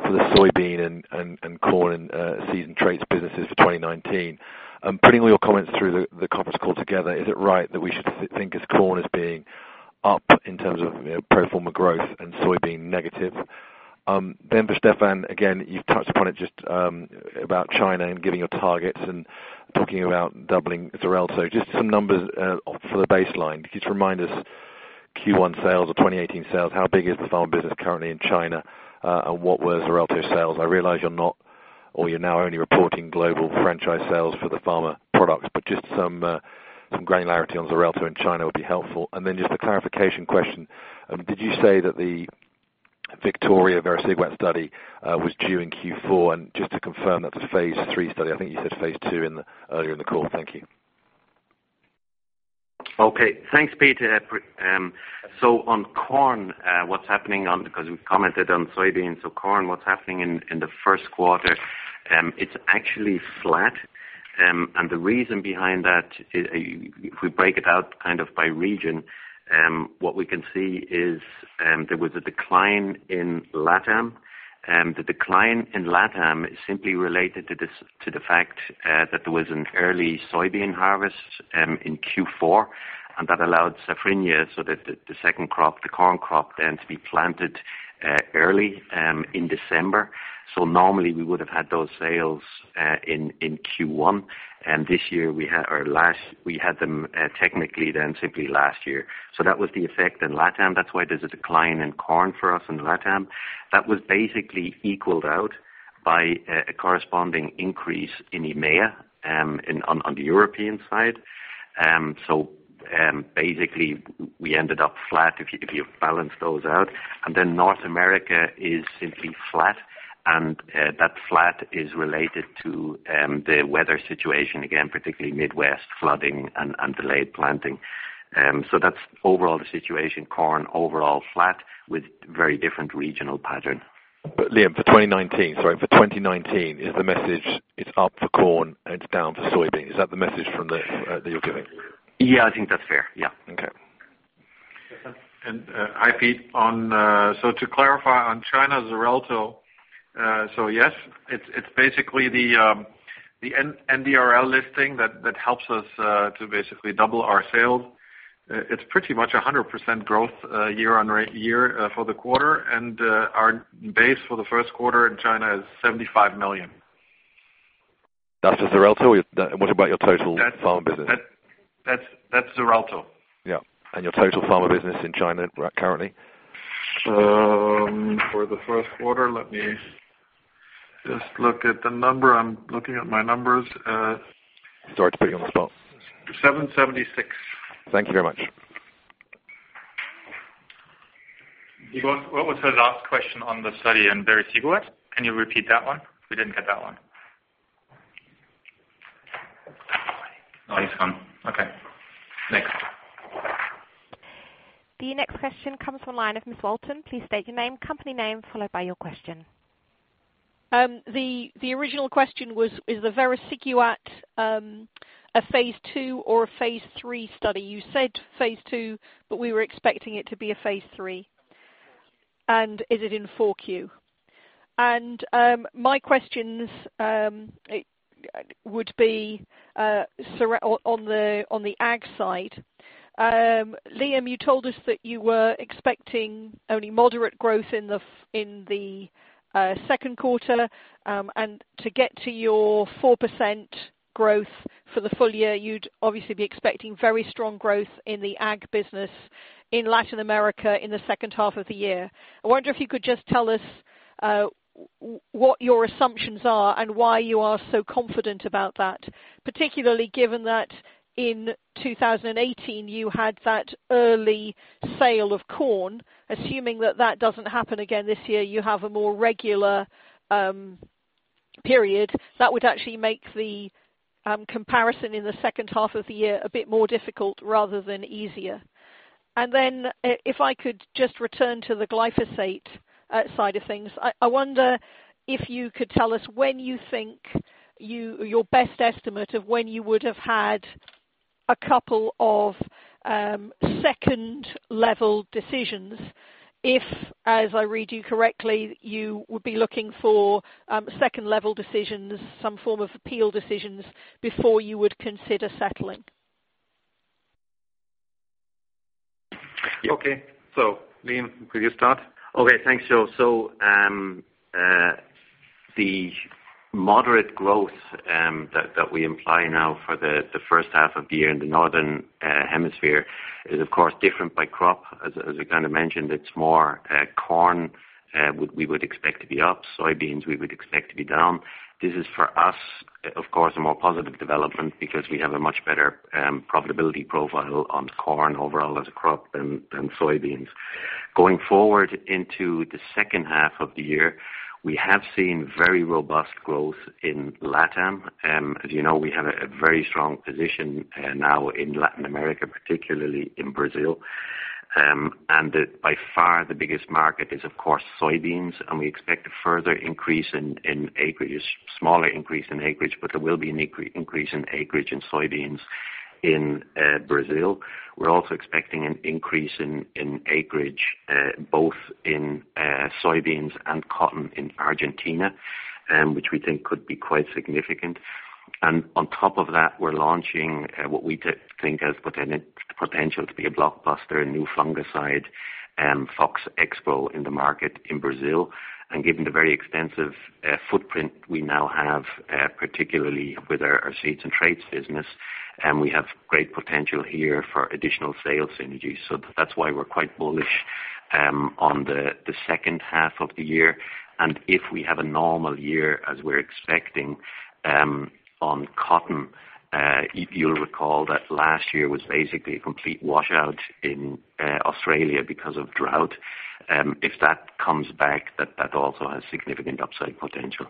for the soybean and corn and seed traits businesses for 2019. Putting all your comments through the conference call together, is it right that we should think as corn as being up in terms of pro forma growth and soybean negative? For Stefan, again, you've touched upon it just about China and giving your targets and talking about doubling XARELTO. Just some numbers for the baseline. Could you just remind us Q1 sales or 2018 sales, how big is the pharma business currently in China? And what were XARELTO sales? I realize you're not, or you're now only reporting global franchise sales for the pharma products, but just some granularity on XARELTO in China would be helpful. Just a clarification question. Did you say that the VICTORIA vericiguat study was due in Q4? Just to confirm that the phase III study, I think you said phase II earlier in the call. Thank you. Okay, thanks, Pete. On corn, what's happening in the first quarter, it's actually flat. The reason behind that, if we break it out by region, what we can see is there was a decline in LATAM. The decline in LATAM is simply related to the fact that there was an early soybean harvest in Q4, and that allowed safrinha, so that the second crop, the corn crop then to be planted early in December. Normally we would have had those sales in Q1. This year we had them technically then simply last year. That was the effect in LATAM. That's why there's a decline in corn for us in LATAM. That was basically equaled out by a corresponding increase in EMEA on the European side. Basically, we ended up flat if you balance those out. North America is simply flat, and that flat is related to the weather situation, again, particularly Midwest flooding and delayed planting. That's overall the situation, corn overall flat with very different regional pattern. Liam, for 2019, sorry, for 2019, is the message it's up for corn and it's down for soybeans? Is that the message that you're giving? I think that's fair. Yeah. Okay. Hi, Pete. To clarify on China Xarelto, yes, it's basically the NRDL listing that helps us to basically double our sales. It's pretty much 100% growth year-on-year for the quarter, and our base for the first quarter in China is $75 million. That's for Xarelto? What about your total pharma business? That's Xarelto. Yeah. Your total pharma business in China currently? For the first quarter, let me just look at the number. I'm looking at my numbers. Sorry to put you on the spot. 776. Thank you very much. What was the last question on the study in vericiguat? Can you repeat that one? We didn't get that one. No, it's fine. Okay. Next. The next question comes from the line of Ms. Walton. Please state your name, company name, followed by your question. The original question was, is the vericiguat a phase II or a phase III study? You said phase II, but we were expecting it to be a phase III. Is it in 4Q? My questions would be on the ag side. Liam, you told us that you were expecting only moderate growth in the second quarter. To get to your 4% growth for the full year, you'd obviously be expecting very strong growth in the ag business in Latin America in the second half of the year. I wonder if you could just tell us what your assumptions are and why you are so confident about that, particularly given that in 2018 you had that early sale of corn, assuming that that doesn't happen again this year, you have a more regular period that would actually make the comparison in the second half of the year a bit more difficult rather than easier. If I could just return to the glyphosate side of things, I wonder if you could tell us your best estimate of when you would have had a couple of second-level decisions, if, as I read you correctly, you would be looking for second-level decisions, some form of appeal decisions before you would consider settling. Okay. Liam, could you start? Okay. Thanks, Jo. The moderate growth that we imply now for the first half of the year in the northern hemisphere is, of course, different by crop. As we mentioned, it's more corn we would expect to be up, soybeans we would expect to be down. This is for us, of course, a more positive development because we have a much better profitability profile on corn overall as a crop than soybeans. Going forward into the second half of the year, we have seen very robust growth in LATAM. As you know, we have a very strong position now in Latin America, particularly in Brazil. By far the biggest market is, of course, soybeans, and we expect a further increase in acreage, smaller increase in acreage, but there will be an increase in acreage in soybeans in Brazil. We're also expecting an increase in acreage both in soybeans and cotton in Argentina, which we think could be quite significant. On top of that, we're launching what we think has potential to be a blockbuster, a new fungicide, Fox Xpro, in the market in Brazil. Given the very extensive footprint we now have, particularly with our seeds and traits business, we have great potential here for additional sales synergies. That's why we're quite bullish on the second half of the year. If we have a normal year as we're expecting on cotton, you'll recall that last year was basically a complete washout in Australia because of drought. If that comes back, that also has significant upside potential.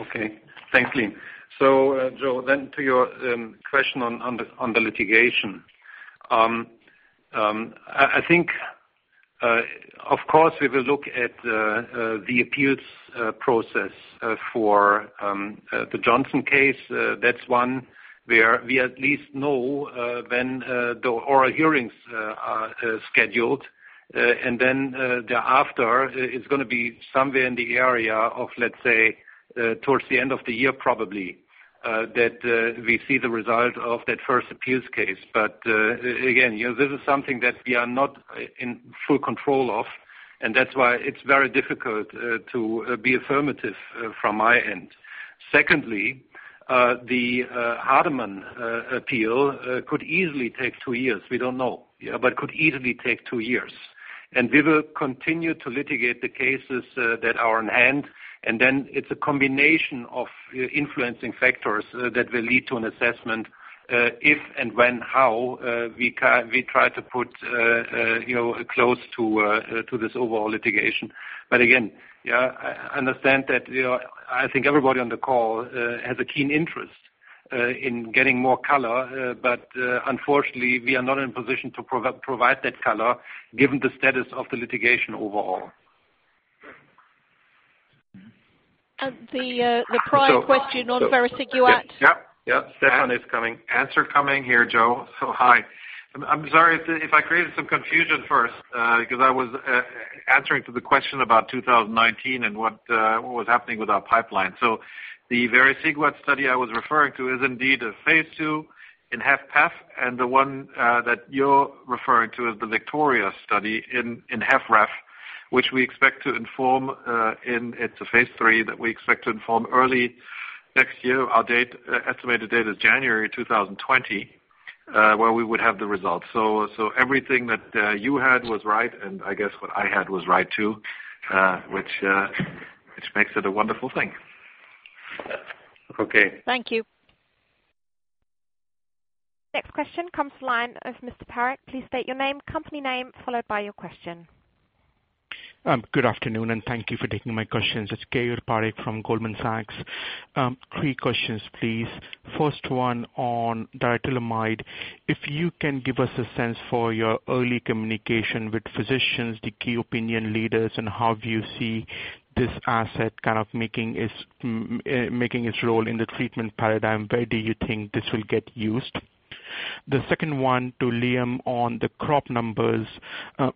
Okay. Thanks, Liam. Jo, to your question on the litigation. I think, of course, we will look at the appeals process for the Johnson case. That's one where we at least know when the oral hearings are scheduled, thereafter, it's going to be somewhere in the area of, let's say, towards the end of the year, probably, that we see the result of that first appeals case. Again, this is something that we are not in full control of, and that's why it's very difficult to be affirmative from my end. Secondly, the Hardeman appeal could easily take two years. We don't know. Could easily take two years. We will continue to litigate the cases that are on hand, it's a combination of influencing factors that will lead to an assessment if and when, how we try to put a close to this overall litigation. Again, I understand that I think everybody on the call has a keen interest in getting more color, but unfortunately, we are not in a position to provide that color given the status of the litigation overall. The prior question on vericiguat. Yep. Stefan is coming. Answer coming here, Jo. Hi. I'm sorry if I created some confusion first because I was answering to the question about 2019 and what was happening with our pipeline. The vericiguat study I was referring to is indeed a phase II in HFpEF, and the one that you're referring to is the VICTORIA study in HFrEF, it's a phase III that we expect to inform early next year. Our estimated date is January 2020, where we would have the results. Everything that you had was right, and I guess what I had was right too, which makes it a wonderful thing. Okay. Thank you. Next question comes to the line of Mr. Parekh. Please state your name, company name, followed by your question. Good afternoon, and thank you for taking my questions. It's Keyur Parekh from Goldman Sachs. Three questions, please. First one on darolutamide. If you can give us a sense for your early communication with physicians, the key opinion leaders, and how you see this asset making its role in the treatment paradigm, where do you think this will get used? The second one to Liam on the crop numbers.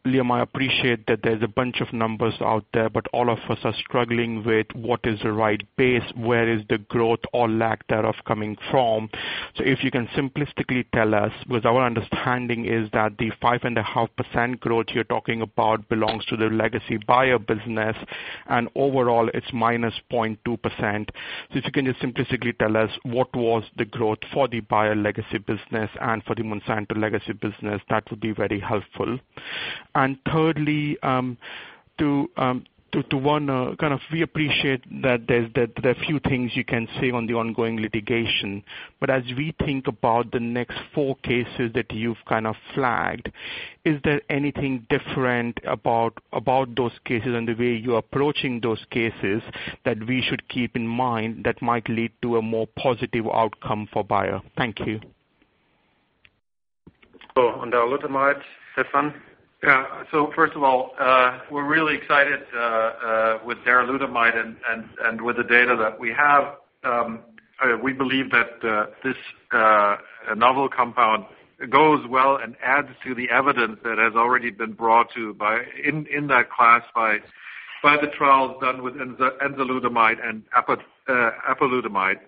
Liam, I appreciate that there's a bunch of numbers out there, but all of us are struggling with what is the right base, where is the growth or lack thereof coming from. If you can simplistically tell us, because our understanding is that the 5.5% growth you're talking about belongs to the legacy Bayer business, and overall, it's minus 0.2%. If you can just simplistically tell us what was the growth for the Bayer legacy business and for the Monsanto legacy business, that would be very helpful. Thirdly, we appreciate that there are few things you can say on the ongoing litigation. As we think about the next four cases that you've flagged, is there anything different about those cases and the way you're approaching those cases that we should keep in mind that might lead to a more positive outcome for Bayer? Thank you. On darolutamide. Stefan? First of all, we're really excited with darolutamide and with the data that we have. We believe that this novel compound goes well and adds to the evidence that has already been brought in that class by the trials done with enzalutamide and apalutamide,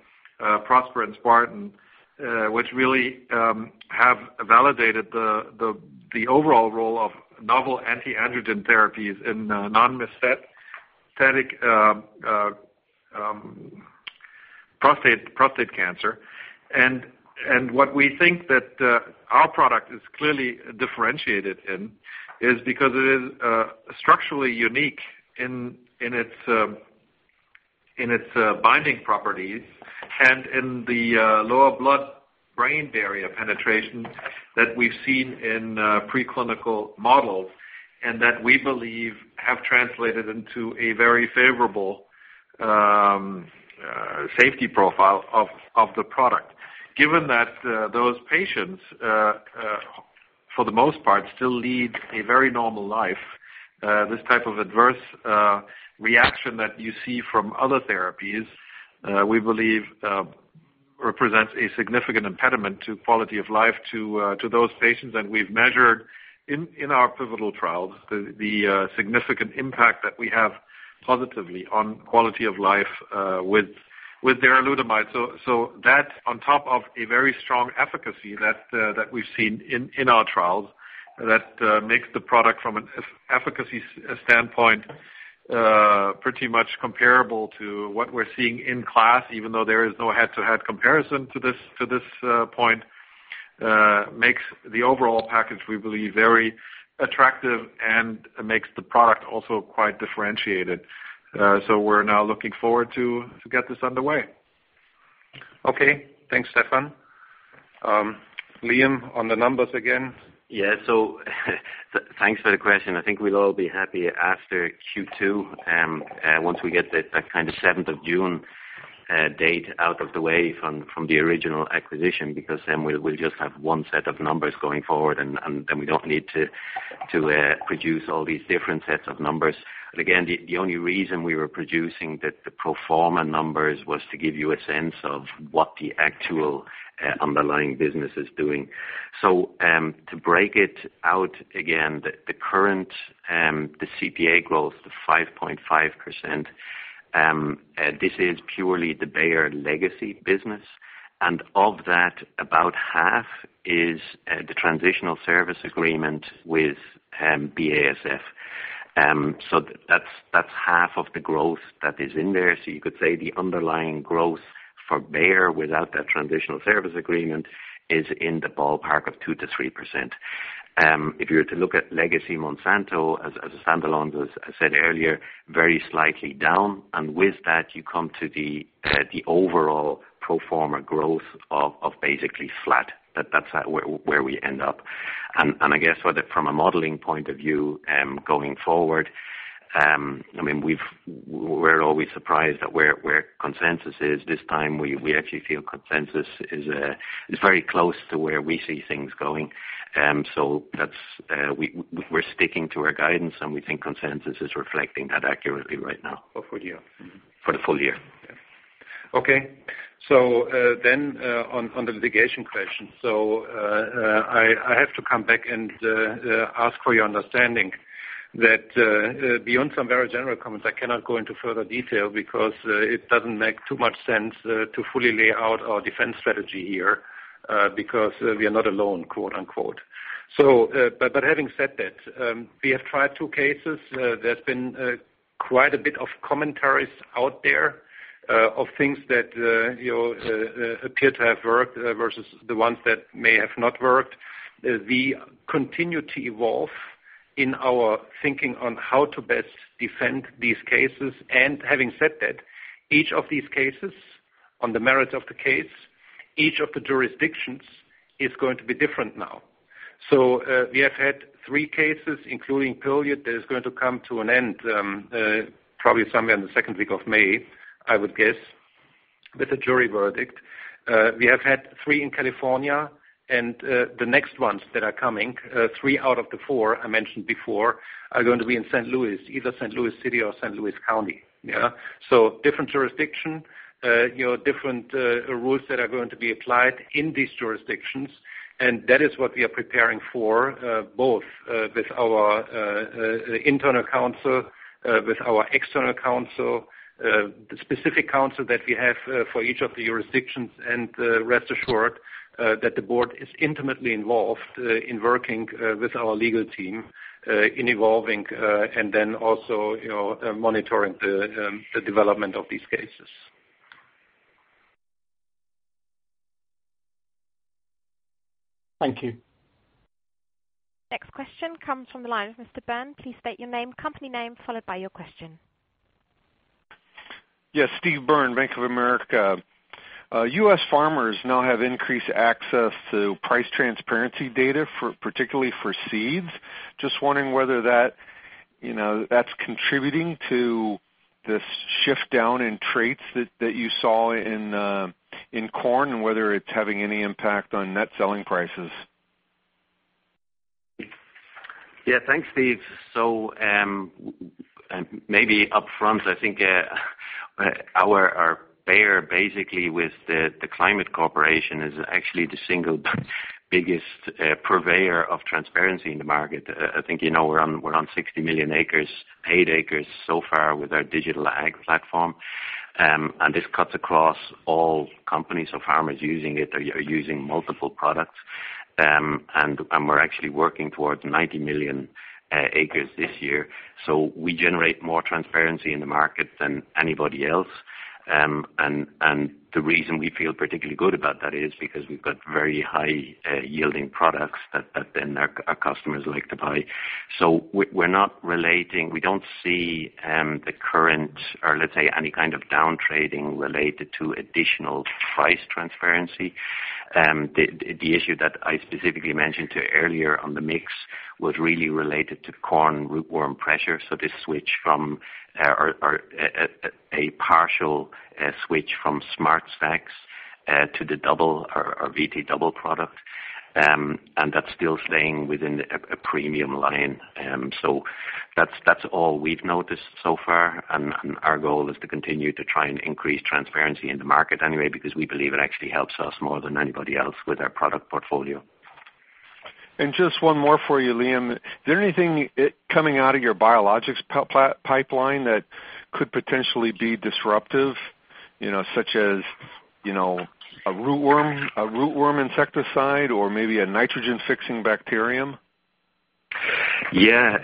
PROSPER and SPARTAN, which really have validated the overall role of novel anti-androgen therapies in non-metastatic prostate cancer. What we think that our product is clearly differentiated in is because it is structurally unique in its binding properties and in the lower blood brain barrier penetration that we've seen in preclinical models, and that we believe have translated into a very favorable safety profile of the product. Given that those patients, for the most part, still lead a very normal life, this type of adverse reaction that you see from other therapies, we believe represents a significant impediment to quality of life to those patients. We've measured in our pivotal trials the significant impact that we have positively on quality of life with darolutamide. That on top of a very strong efficacy that we've seen in our trials, that makes the product from an efficacy standpoint pretty much comparable to what we're seeing in class, even though there is no head-to-head comparison to this point, makes the overall package, we believe, very attractive and makes the product also quite differentiated. We're now looking forward to get this underway. Okay. Thanks, Stefan. Liam, on the numbers again. Thanks for the question. I think we'll all be happy after Q2, once we get that 7th of June date out of the way from the original acquisition, because then we'll just have one set of numbers going forward, and then we don't need to produce all these different sets of numbers. Again, the only reason we were producing the pro forma numbers was to give you a sense of what the actual underlying business is doing. To break it out again, the current cpa growth, the 5.5%, this is purely the Bayer legacy business. And of that, about half is the transitional service agreement with BASF. That's half of the growth that is in there. You could say the underlying growth for Bayer without that transitional service agreement is in the ballpark of 2%-3%. If you were to look at legacy Monsanto as a standalone, as I said earlier, very slightly down. With that, you come to the overall pro forma growth of basically flat. That's where we end up. I guess from a modeling point of view going forward, we're always surprised at where consensus is. This time we actually feel consensus is very close to where we see things going. We're sticking to our guidance, and we think consensus is reflecting that accurately right now. For full year. For the full year. Okay. On the litigation question. I have to come back and ask for your understanding that beyond some very general comments, I cannot go into further detail because it doesn't make too much sense to fully lay out our defense strategy here because we are "not alone," quote-unquote. Having said that, we have tried two cases. There's been quite a bit of commentaries out there of things that appear to have worked versus the ones that may have not worked. We continue to evolve in our thinking on how to best defend these cases. Having said that, each of these cases, on the merit of the case, each of the jurisdictions is going to be different now. We have had three cases, including Pilliod that is going to come to an end, probably somewhere in the second week of May, I would guess, with a jury verdict. We have had three in California, and the next ones that are coming, three out of the four I mentioned before, are going to be in St. Louis, either St. Louis City or St. Louis County. Different jurisdiction, different rules that are going to be applied in these jurisdictions, and that is what we are preparing for, both with our internal counsel, with our external counsel, the specific counsel that we have for each of the jurisdictions. Rest assured that the Board is intimately involved in working with our legal team in evolving, and then also monitoring the development of these cases. Thank you. Next question comes from the line of Mr. Byrne. Please state your name, company name, followed by your question. Yes. Steve Byrne, Bank of America. U.S. farmers now have increased access to price transparency data, particularly for seeds. Just wondering whether that's contributing to this shift down in traits that you saw in corn, and whether it's having any impact on net selling prices? Yeah. Thanks, Steve. Maybe upfront, I think our Bayer basically with The Climate Corporation is actually the single biggest purveyor of transparency in the market. I think you know we're on 60 million paid acres so far with our digital ag platform. This cuts across all companies or farmers using it or using multiple products. We're actually working towards 90 million acres this year. We generate more transparency in the market than anybody else. The reason we feel particularly good about that is because we've got very high-yielding products that then our customers like to buy. We're not relating. We don't see the current, or let's say, any kind of downtrading related to additional price transparency. The issue that I specifically mentioned to you earlier on the mix was really related to corn rootworm pressure. A partial switch from SmartStax to the double or VT Double PRO. That's still staying within a premium line. That's all we've noticed so far. Our goal is to continue to try and increase transparency in the market anyway, because we believe it actually helps us more than anybody else with our product portfolio. Just one more for you, Liam. Is there anything coming out of your biologics pipeline that could potentially be disruptive? Such as a rootworm insecticide or maybe a nitrogen-fixing bacterium? Yeah.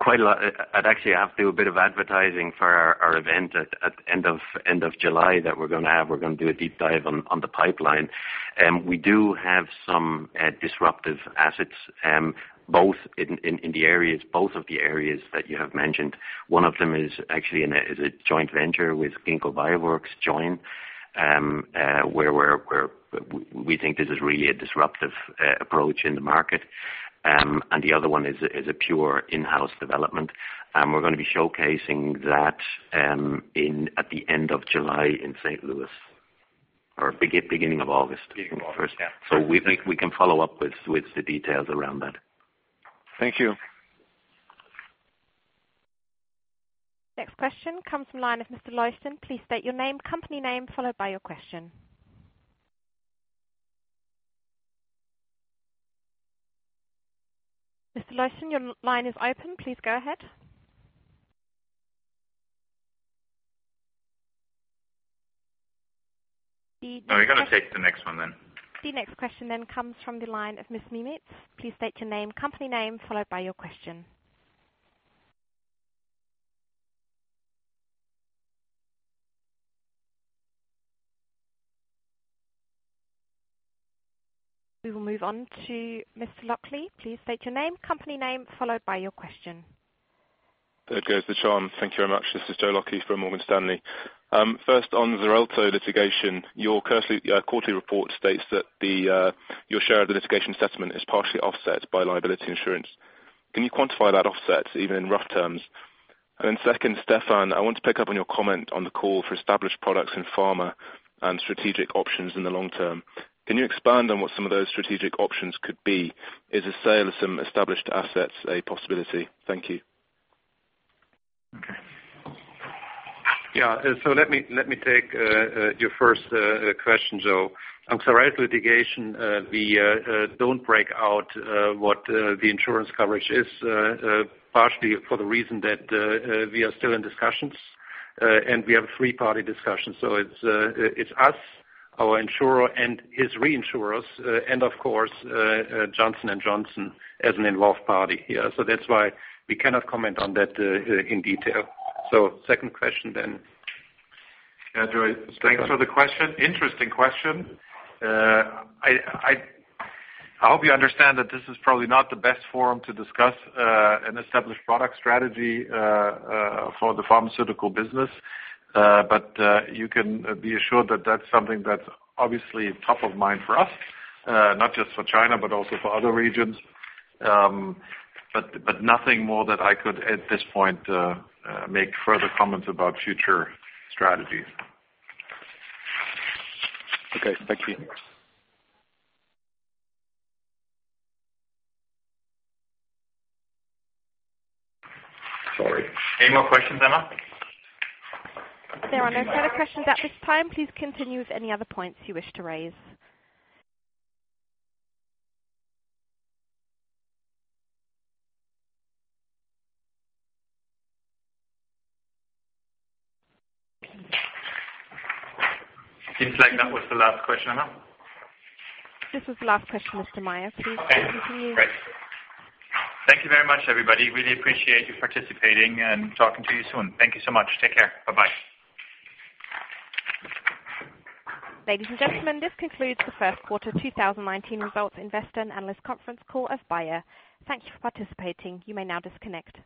Quite a lot. I'd actually have to do a bit of advertising for our event at end of July that we're going to have. We're going to do a deep dive on the pipeline. We do have some disruptive assets, both of the areas that you have mentioned. One of them is actually is a joint venture with Ginkgo Bioworks, Joyn, where we think this is really a disruptive approach in the market. The other one is a pure in-house development. We're going to be showcasing that at the end of July in St. Louis or beginning of August. Beginning of August, yeah. We can follow up with the details around that. Thank you. Next question comes from line of Mr. Leuchten. Please state your name, company name, followed by your question. Mr. Leuchten, your line is open. Please go ahead. No, we're going to take the next one then. The next question comes from the line of Ms. Papadakis. Please state your name, company name, followed by your question. We will move on to Mr. Lockey. Please state your name, company name, followed by your question. There goes the charm. Thank you very much. This is Joe Lockey from Morgan Stanley. First on XARELTO litigation. Your quarterly report states that your share of the litigation settlement is partially offset by liability insurance. Can you quantify that offset even in rough terms? Second, Stefan, I want to pick up on your comment on the call for established products in pharma and strategic options in the long term. Can you expand on what some of those strategic options could be? Is a sale of some established assets a possibility? Thank you. Okay. Yeah. Let me take your first question, Jo. On XARELTO litigation, we don't break out what the insurance coverage is, partially for the reason that we are still in discussions. We have a three-party discussion. It's us, our insurer, and his reinsurers, and of course, Johnson & Johnson as an involved party here. That's why we cannot comment on that in detail. Second question then. Yeah, Jo, thanks for the question. Interesting question. I hope you understand that this is probably not the best forum to discuss an established product strategy for the Pharmaceuticals business. You can be assured that that's something that's obviously top of mind for us, not just for China, but also for other regions. Nothing more that I could, at this point, make further comments about future strategies. Okay. Thank you. Sorry. Any more questions, Emma? There are no further questions at this time. Please continue with any other points you wish to raise. Seems like that was the last question, Emma. This was the last question, Mr. Maier. Please continue. Okay, great. Thank you very much, everybody. Really appreciate you participating and talking to you soon. Thank you so much. Take care. Bye-bye. Ladies and gentlemen, this concludes the first quarter 2019 results investor and analyst conference call of Bayer. Thank you for participating. You may now disconnect.